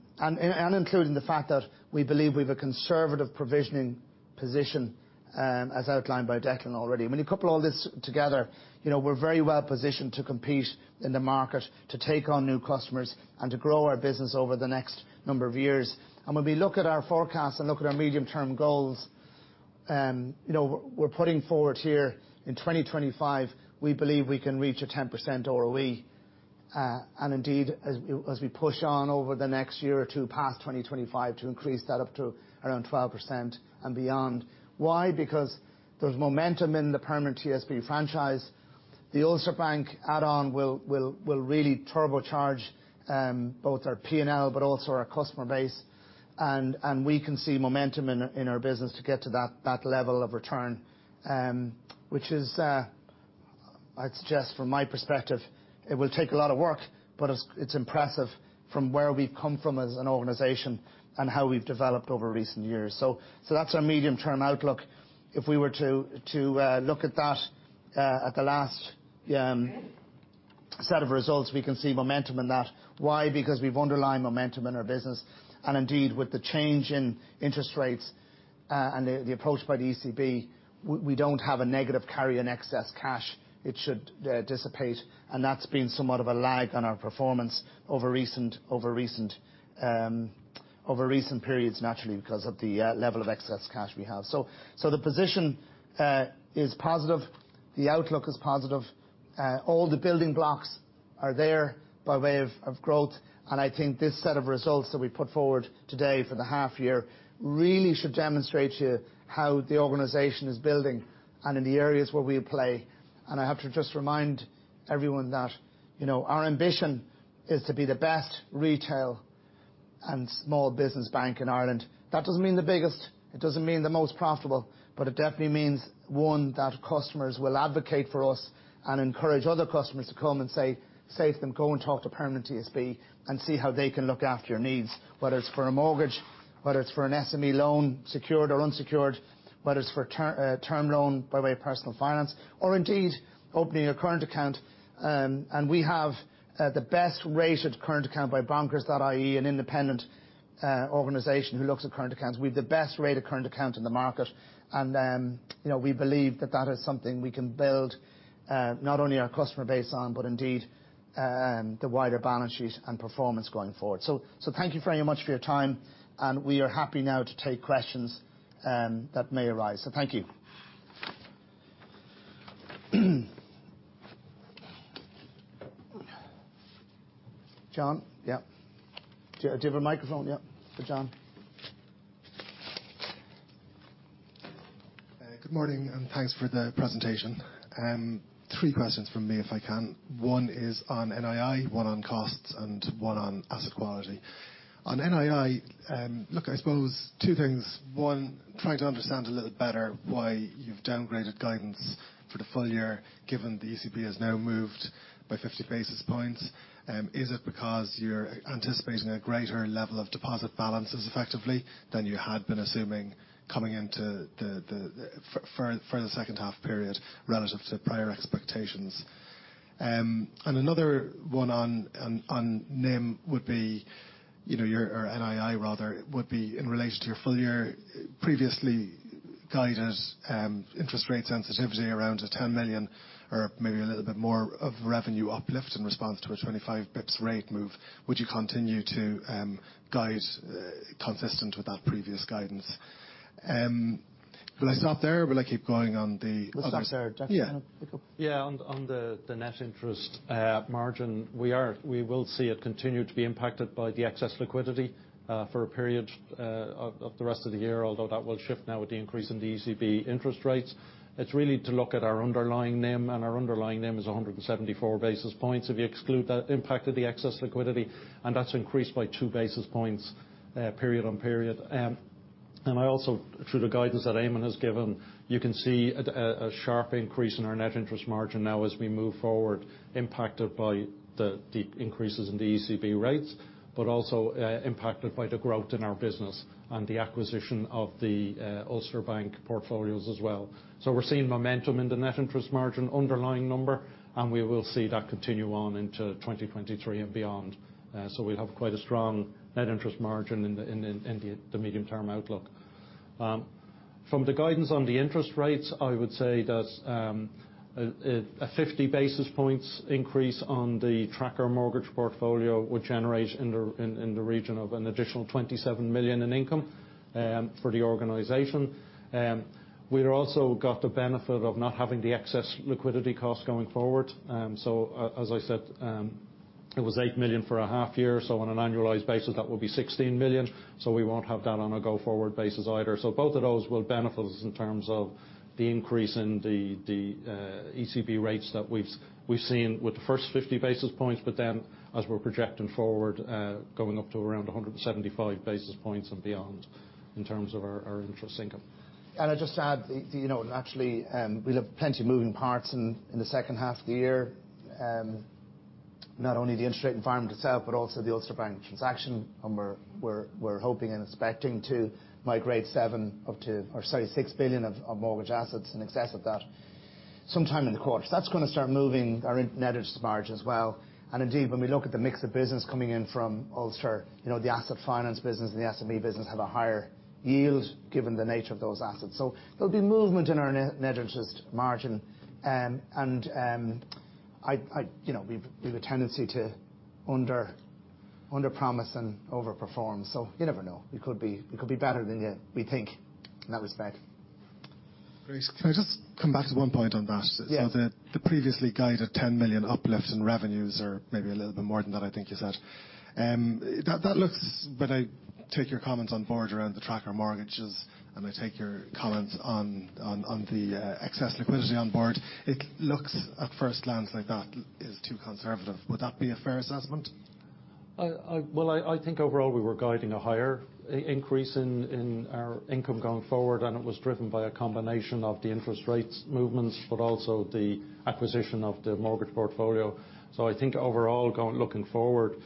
including the fact that we believe we've a conservative provisioning position, as outlined by Declan already. When you couple all this together, you know, we're very well-positioned to compete in the market, to take on new customers, and to grow our business over the next number of years. When we look at our forecast and look at our medium-term goals, you know, we're putting forward here in 2025, we believe we can reach a 10% ROE. Indeed, as we push on over the next year or two past 2025 to increase that up to around 12% and beyond. Why? Because there's momentum in the Permanent TSB franchise. The Ulster Bank add-on will really turbocharge both our P&L but also our customer base. We can see momentum in our business to get to that level of return. Which is, I'd suggest from my perspective, it will take a lot of work, but it's impressive from where we've come from as an organization and how we've developed over recent years. That's our medium-term outlook. If we were to look at that at the last set of results, we can see momentum in that. Why? Because we've underlying momentum in our business. Indeed, with the change in interest rates, and the approach by the ECB, we don't have a negative carry in excess cash. It should dissipate, and that's been somewhat of a lag on our performance over recent periods naturally because of the level of excess cash we have. The position is positive. The outlook is positive. All the building blocks are there by way of growth, and I think this set of results that we put forward today for the half year really should demonstrate to you how the organization is building and in the areas where we play. I have to just remind everyone that, you know, our ambition is to be the best retail and small business bank in Ireland. That doesn't mean the biggest, it doesn't mean the most profitable, but it definitely means, one, that customers will advocate for us and encourage other customers to come and say to them, "Go and talk to Permanent TSB and see how they can look after your needs," whether it's for a mortgage, whether it's for an SME loan, secured or unsecured, whether it's for a term loan by way of personal finance, or indeed opening a current account. We have the best-rated current account by bonkers.ie, an independent organization who looks at current accounts. We've the best-rated current account in the market. You know, we believe that that is something we can build not only our customer base on but indeed the wider balance sheet and performance going forward. Thank you very much for your time, and we are happy now to take questions that may arise. Thank you. John, yeah. Do you have a microphone, yeah, for John? Good morning, and thanks for the presentation. Three questions from me, if I can. One is on NII, one on costs, and one on asset quality. On NII, look, I suppose two things. One, trying to understand a little better why you've downgraded guidance for the full year, given the ECB has now moved by 50 basis points. Is it because you're anticipating a greater level of deposit balances effectively than you had been assuming coming into the second half period relative to prior expectations? Another one on NIM would be, you know, your or NII rather, would be in relation to your full year previously guided interest rate sensitivity around the 10 million or maybe a little bit more of revenue uplift in response to a 25 basis points rate move. Would you continue to guide consistent with that previous guidance? Will I stop there, or will I keep going on the other- We'll stop there. Yeah. Declan, do you wanna pick up? Yeah. On the net interest margin, we will see it continue to be impacted by the excess liquidity for a period of the rest of the year, although that will shift now with the increase in the ECB interest rates. It's really the way to look at our underlying NIM, and our underlying NIM is 174 basis points if you exclude the impact of the excess liquidity, and that's increased by 2 basis points period-on-period. I also, through the guidance that Eamonn has given, you can see a sharp increase in our net interest margin now as we move forward, impacted by the increases in the ECB rates but also impacted by the growth in our business and the acquisition of the Ulster Bank portfolios as well. We're seeing momentum in the net interest margin underlying number, and we will see that continue on into 2023 and beyond. We have quite a strong net interest margin in the medium-term outlook. From the guidance on the interest rates, I would say that a 50 basis points increase on the tracker mortgage portfolio would generate in the region of an additional 27 million in income for the organization. We've also got the benefit of not having the excess liquidity costs going forward. I said it was 8 million for a half year, so on an annualized basis that would be 16 million. We won't have that on a go-forward basis either. Both of those will benefit us in terms of the increase in the ECB rates that we've seen with the first 50 basis points, but then as we're projecting forward, going up to around 175 basis points and beyond in terms of our interest income. I'd just add, you know, actually, we'll have plenty of moving parts in the second half of the year. Not only the interest rate environment itself, but also the Ulster Bank transaction, and we're hoping and expecting to migrate 6 billion of mortgage assets in excess of that sometime in the quarter. So that's gonna start moving our net interest margin as well. Indeed, when we look at the mix of business coming in from Ulster, you know, the asset finance business and the SME business have a higher yield given the nature of those assets. So there'll be movement in our net interest margin. You know, we've a tendency to underpromise and overperform, so you never know. It could be better than you, we think in that respect. Great. Can I just come back to one point on that? Yeah. The previously guided 10 million uplift in revenues or maybe a little bit more than that, I think you said. I take your comments on board around the tracker mortgages, and I take your comments on excess liquidity on board. It looks at first glance like that is too conservative. Would that be a fair assessment? Well, I think overall we were guiding a higher increase in our income going forward, and it was driven by a combination of the interest rate movements but also the acquisition of the mortgage portfolio. I think overall, looking forward,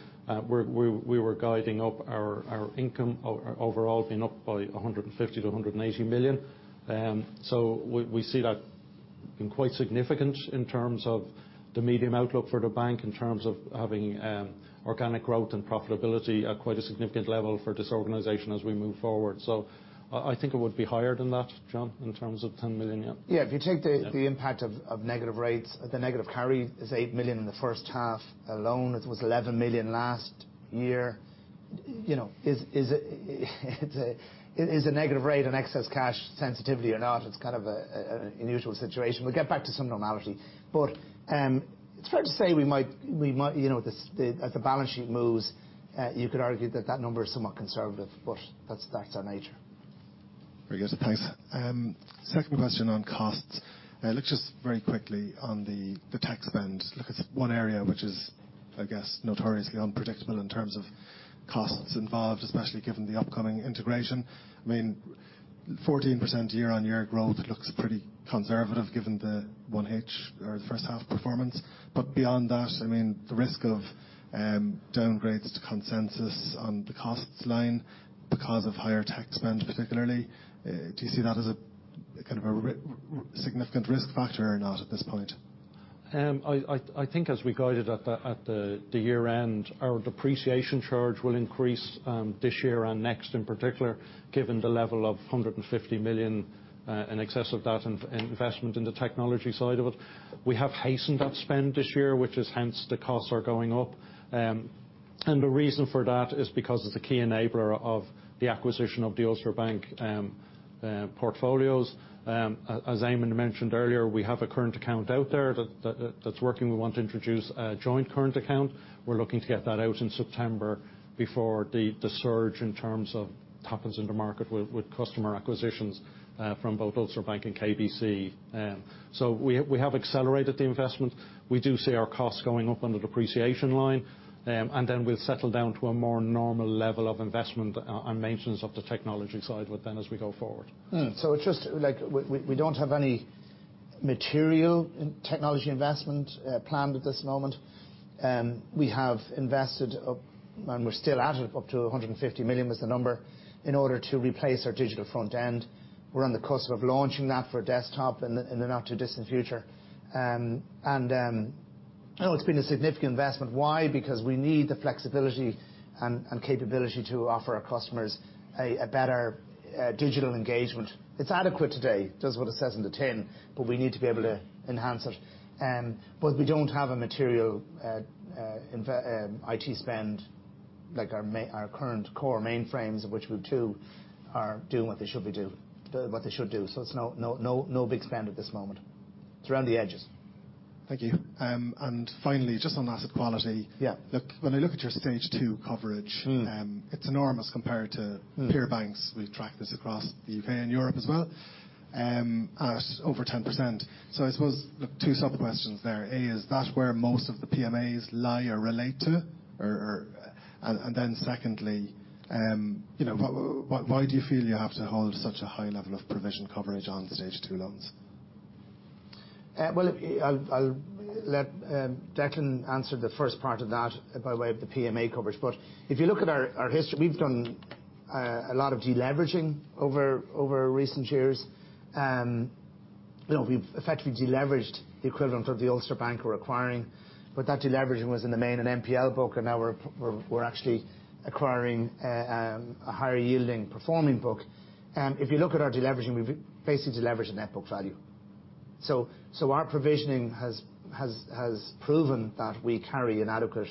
we were guiding up our income overall, being up by 150 million-180 million. We see that and quite significant in terms of the medium-term outlook for the bank, in terms of having organic growth and profitability at quite a significant level for this organization as we move forward. I think it would be higher than that, John, in terms of 10 million, yeah. Yeah, if you take the Yeah The impact of negative rates, the negative carry is 8 million in the first half. Alone it was 11 million last year. You know, is it a negative rate in excess cash sensitivity or not, it's kind of an unusual situation. We'll get back to some normality. It's fair to say we might, you know, as the balance sheet moves, you could argue that number is somewhat conservative, but that's our nature. Very good. Thanks. Second question on costs. Look, just very quickly on the tech spend. Look, it's one area which is, I guess, notoriously unpredictable in terms of costs involved, especially given the upcoming integration. I mean, 14% year-on-year growth looks pretty conservative given the 1H or the first half performance. Beyond that, I mean, the risk of downgrades to consensus on the costs line because of higher tech spend, particularly, do you see that as a kind of a significant risk factor or not at this point? I think as we guided at the year-end, our depreciation charge will increase this year and next, in particular, given the level of 150 million in excess of that in investment in the technology side of it. We have hastened that spend this year, which is why the costs are going up. The reason for that is because it's a key enabler of the acquisition of the Ulster Bank portfolios. As Eamonn mentioned earlier, we have a current account out there that's working. We want to introduce a joint current account. We're looking to get that out in September before the surge in terms of what happens in the market with customer acquisitions from both Ulster Bank and KBC. We have accelerated the investment. We do see our costs going up on the depreciation line. We'll settle down to a more normal level of investment on maintenance of the technology side of it then as we go forward. It's just we don't have any material in technology investment planned at this moment. We have invested up, and we're still at it, up to 150 million was the number, in order to replace our digital front end. We're on the cusp of launching that for desktop in the not too distant future. You know, it's been a significant investment. Why? Because we need the flexibility and capability to offer our customers a better digital engagement. It's adequate today. Does what it says on the tin. We need to be able to enhance it. We don't have a material investment IT spend, like our current core mainframes, of which we too are doing what they should do. It's no big spend at this moment. It's around the edges. Thank you. Finally, just on asset quality. Yeah. Look, when I look at your Stage two coverage. Mm It's enormous compared to. Mm Peer banks. We've tracked this across the UK and Europe as well, at over 10%. I suppose the two sub-questions there, A, is that where most of the PMAs lie or relate to? Or, then secondly, you know, why do you feel you have to hold such a high level of provision coverage on the Stage two loans? Well, I'll let Declan answer the first part of that by way of the PMA coverage. If you look at our history, we've done a lot of deleveraging over recent years. You know, we've effectively deleveraged the equivalent of the Ulster Bank we're acquiring. That deleveraging was in the main an NPL book, and now we're actually acquiring a higher yielding performing book. If you look at our deleveraging, we've basically deleveraged the net book value. Our provisioning has proven that we carry an adequate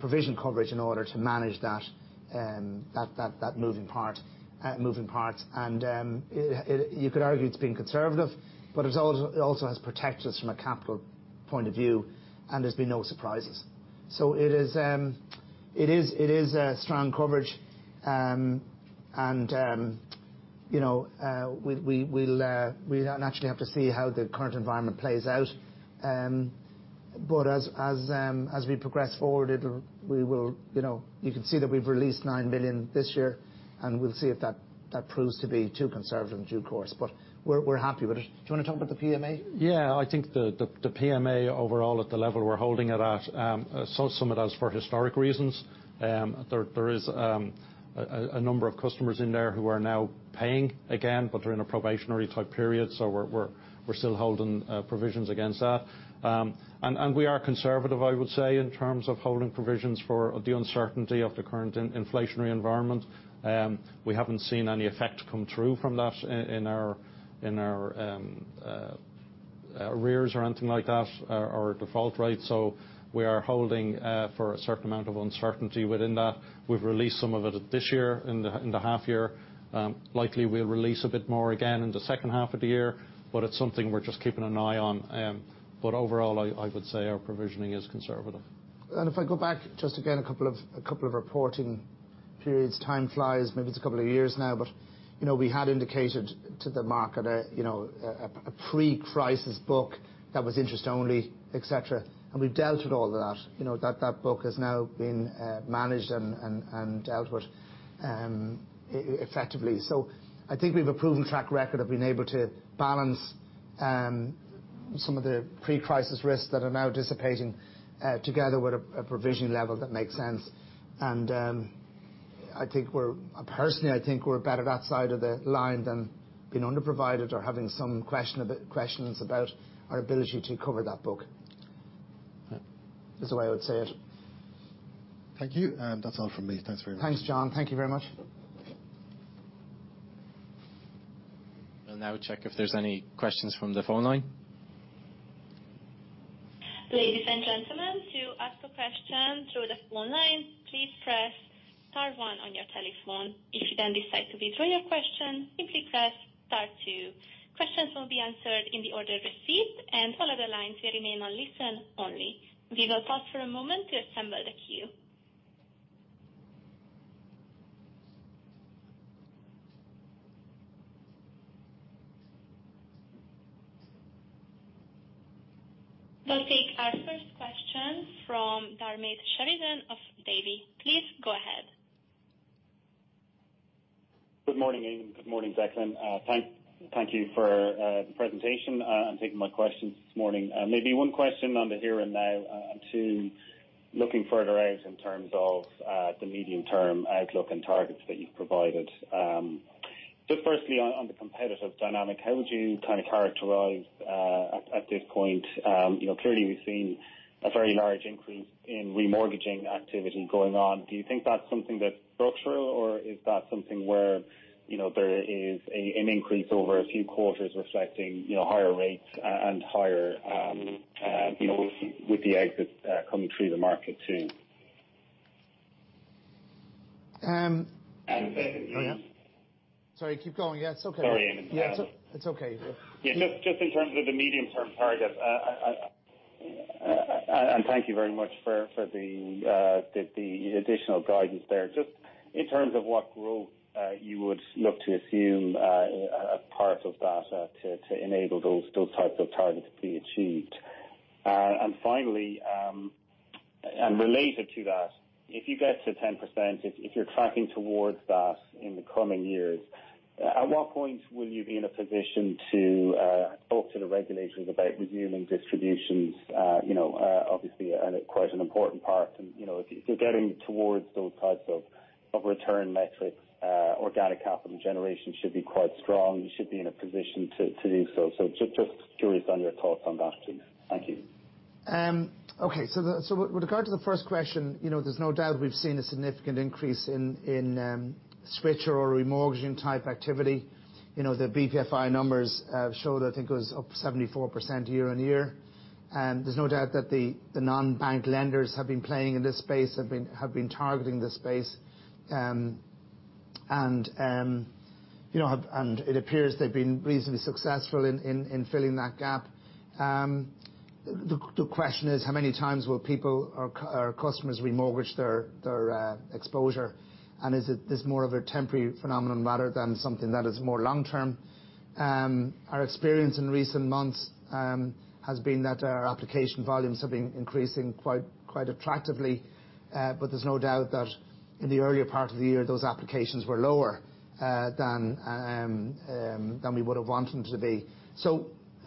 provision coverage in order to manage that moving parts. You could argue it's been conservative, but it also has protected us from a capital point of view, and there's been no surprises. It is a strong coverage. You know, we'll naturally have to see how the current environment plays out. As we progress forward, we will, you know, you can see that we've released 9 billion this year, and we'll see if that proves to be too conservative in due course. We're happy with it. Do you wanna talk about the PMA? Yeah. I think the PMA overall at the level we're holding it at, some of that is for historic reasons. There is a number of customers in there who are now paying again, but they're in a probationary-type period, so we're still holding provisions against that. We are conservative, I would say, in terms of holding provisions for the uncertainty of the current inflationary environment. We haven't seen any effect come through from that in our arrears or anything like that, our default rate. We are holding for a certain amount of uncertainty within that. We've released some of it this year, in the half year. Likely we'll release a bit more again in the second half of the year, but it's something we're just keeping an eye on. Overall, I would say our provisioning is conservative. If I go back just again, a couple of reporting periods, time flies, maybe it's a couple of years now, but you know, we had indicated to the market a pre-crisis book that was interest only, et cetera. We've dealt with all of that. You know that book has now been managed and dealt with effectively. I think we've a proven track record of being able to balance some of the pre-crisis risks that are now dissipating together with a provision level that makes sense. I think we're personally better that side of the line than being underprovided or having some questions about our ability to cover that book. Is the way I would say it. Thank you. That's all from me. Thanks very much. Thanks, John. Thank you very much. We'll now check if there's any questions from the phone line. Ladies and gentlemen, to ask a question through the phone line, please press star one on your telephone. If you don't decide to withdraw your question, simply press star two. Questions will be answered in the order received, and all other lines will remain on listen only. We will pause for a moment to assemble the queue. We'll take our first question from Diarmaid Sheridan of Davy. Please go ahead. Good morning, Eamonn. Good morning, Declan, thank you for the presentation and taking my questions this morning. Maybe one question on the here and now to looking further out in terms of the medium-term outlook and targets that you've provided. Just firstly, on the competitive dynamic, how would you kind of characterize at this point, you know, clearly we've seen a very large increase in remortgaging activity going on. Do you think that's something that's structural, or is that something where, you know, there is an increase over a few quarters reflecting, you know, higher rates and higher, you know, with the exits coming through the market too? Um- Secondly. Oh, yeah. Sorry. Keep going. Yeah, it's okay. Sorry, Eamonn. Yeah. It's okay. Yeah, just in terms of the medium-term target. Thank you very much for the additional guidance there. Just in terms of what growth you would look to assume as part of that to enable those types of targets to be achieved. Finally, and related to that, if you get to 10%, if you're tracking towards that in the coming years, at what point will you be in a position to talk to the regulators about resuming distributions? You know, obviously quite an important part and, you know, if you're getting towards those types of return metrics, organic capital generation should be quite strong. You should be in a position to do so. Just curious on your thoughts on that too. Thank you. Okay. With regard to the first question, you know, there's no doubt we've seen a significant increase in switcher or remortgaging type activity. You know, the BPFI numbers show that it goes up 74% year-on-year. There's no doubt that the non-bank lenders have been playing in this space, targeting this space. It appears they've been reasonably successful in filling that gap. The question is, how many times will people or customers remortgage their exposure? Is it just more of a temporary phenomenon rather than something that is more long-term? Our experience in recent months has been that our application volumes have been increasing quite attractively. There's no doubt that in the earlier part of the year, those applications were lower than we would have wanted them to be.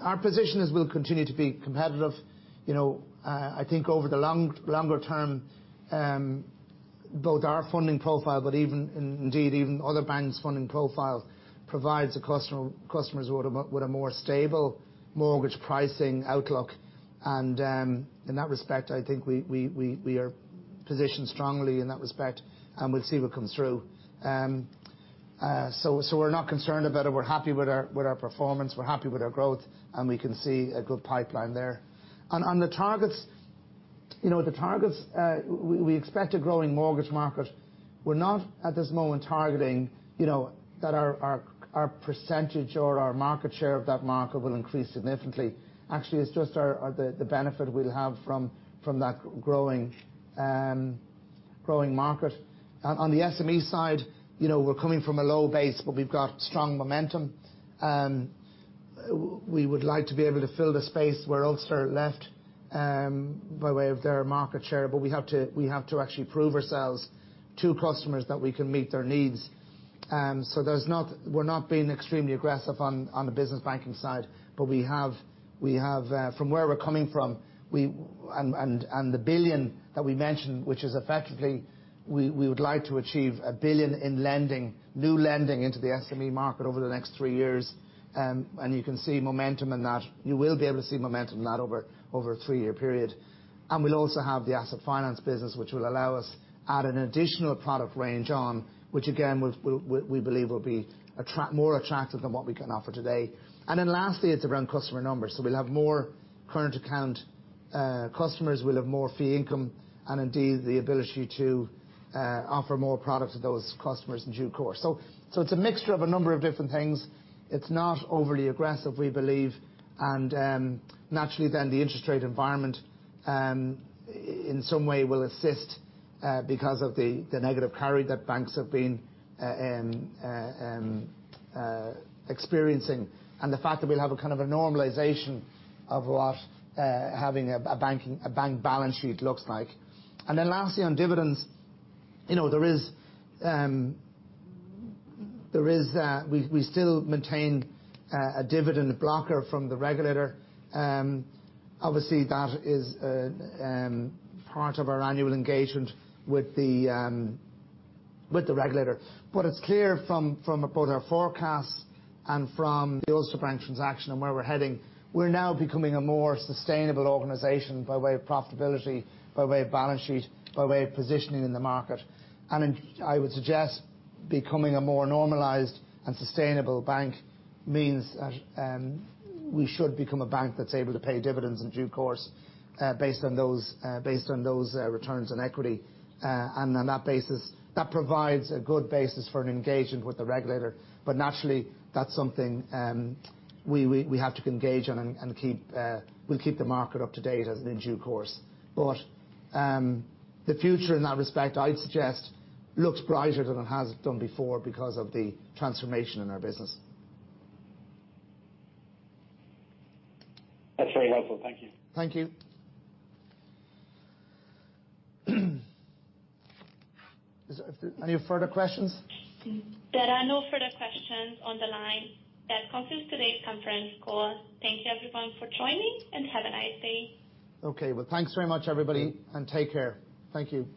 Our position is we'll continue to be competitive. You know, I think over the long term, both our funding profile, but even indeed other banks' funding profile provides customers with a more stable mortgage pricing outlook. In that respect, I think we are positioned strongly in that respect, and we'll see what comes through. We're not concerned about it. We're happy with our performance, we're happy with our growth, and we can see a good pipeline there. On the targets, you know, the targets, we expect a growing mortgage market. We're not at this moment targeting, you know, that our percentage or our market share of that market will increase significantly. Actually, it's just the benefit we'll have from that growing market. On the SME side, you know, we're coming from a low base, but we've got strong momentum. We would like to be able to fill the space where Ulster Bank left by way of their market share, but we have to actually prove ourselves to customers that we can meet their needs. We're not being extremely aggressive on the business banking side, but we have from where we're coming from. The 1 billion that we mentioned, which is effectively, we would like to achieve 1 billion in new lending into the SME market over the next three years. You can see momentum in that. You will be able to see momentum in that over a three-year period. We'll also have the asset finance business, which will allow us add an additional product range on, which again, we believe will be more attractive than what we can offer today. Then lastly, it's around customer numbers. We'll have more current account customers we'll have more fee income and indeed the ability to offer more products to those customers in due course. It's a mixture of a number of different things. It's not overly aggressive, we believe. Naturally the interest rate environment in some way will assist because of the negative carry that banks have been experiencing. The fact that we'll have a kind of a normalization of what having a bank balance sheet looks like. Lastly, on dividends, you know, there is that we still maintain a dividend blocker from the regulator. Obviously, that is part of our annual engagement with the regulator. It's clear from both our forecasts and from the Ulster Bank transaction and where we're heading, we're now becoming a more sustainable organization by way of profitability, by way of balance sheet, by way of positioning in the market. In I would suggest becoming a more normalized and sustainable bank means we should become a bank that's able to pay dividends in due course based on those returns on equity. On that basis, that provides a good basis for an engagement with the regulator. Naturally, that's something we have to engage on and we'll keep the market up to date in due course. The future in that respect, I'd suggest, looks brighter than it has done before because of the transformation in our business. That's very helpful. Thank you. Thank you. Any further questions? There are no further questions on the line. That concludes today's conference call. Thank you everyone for joining, and have a nice day. Okay. Well, thanks very much, everybody, and take care. Thank you.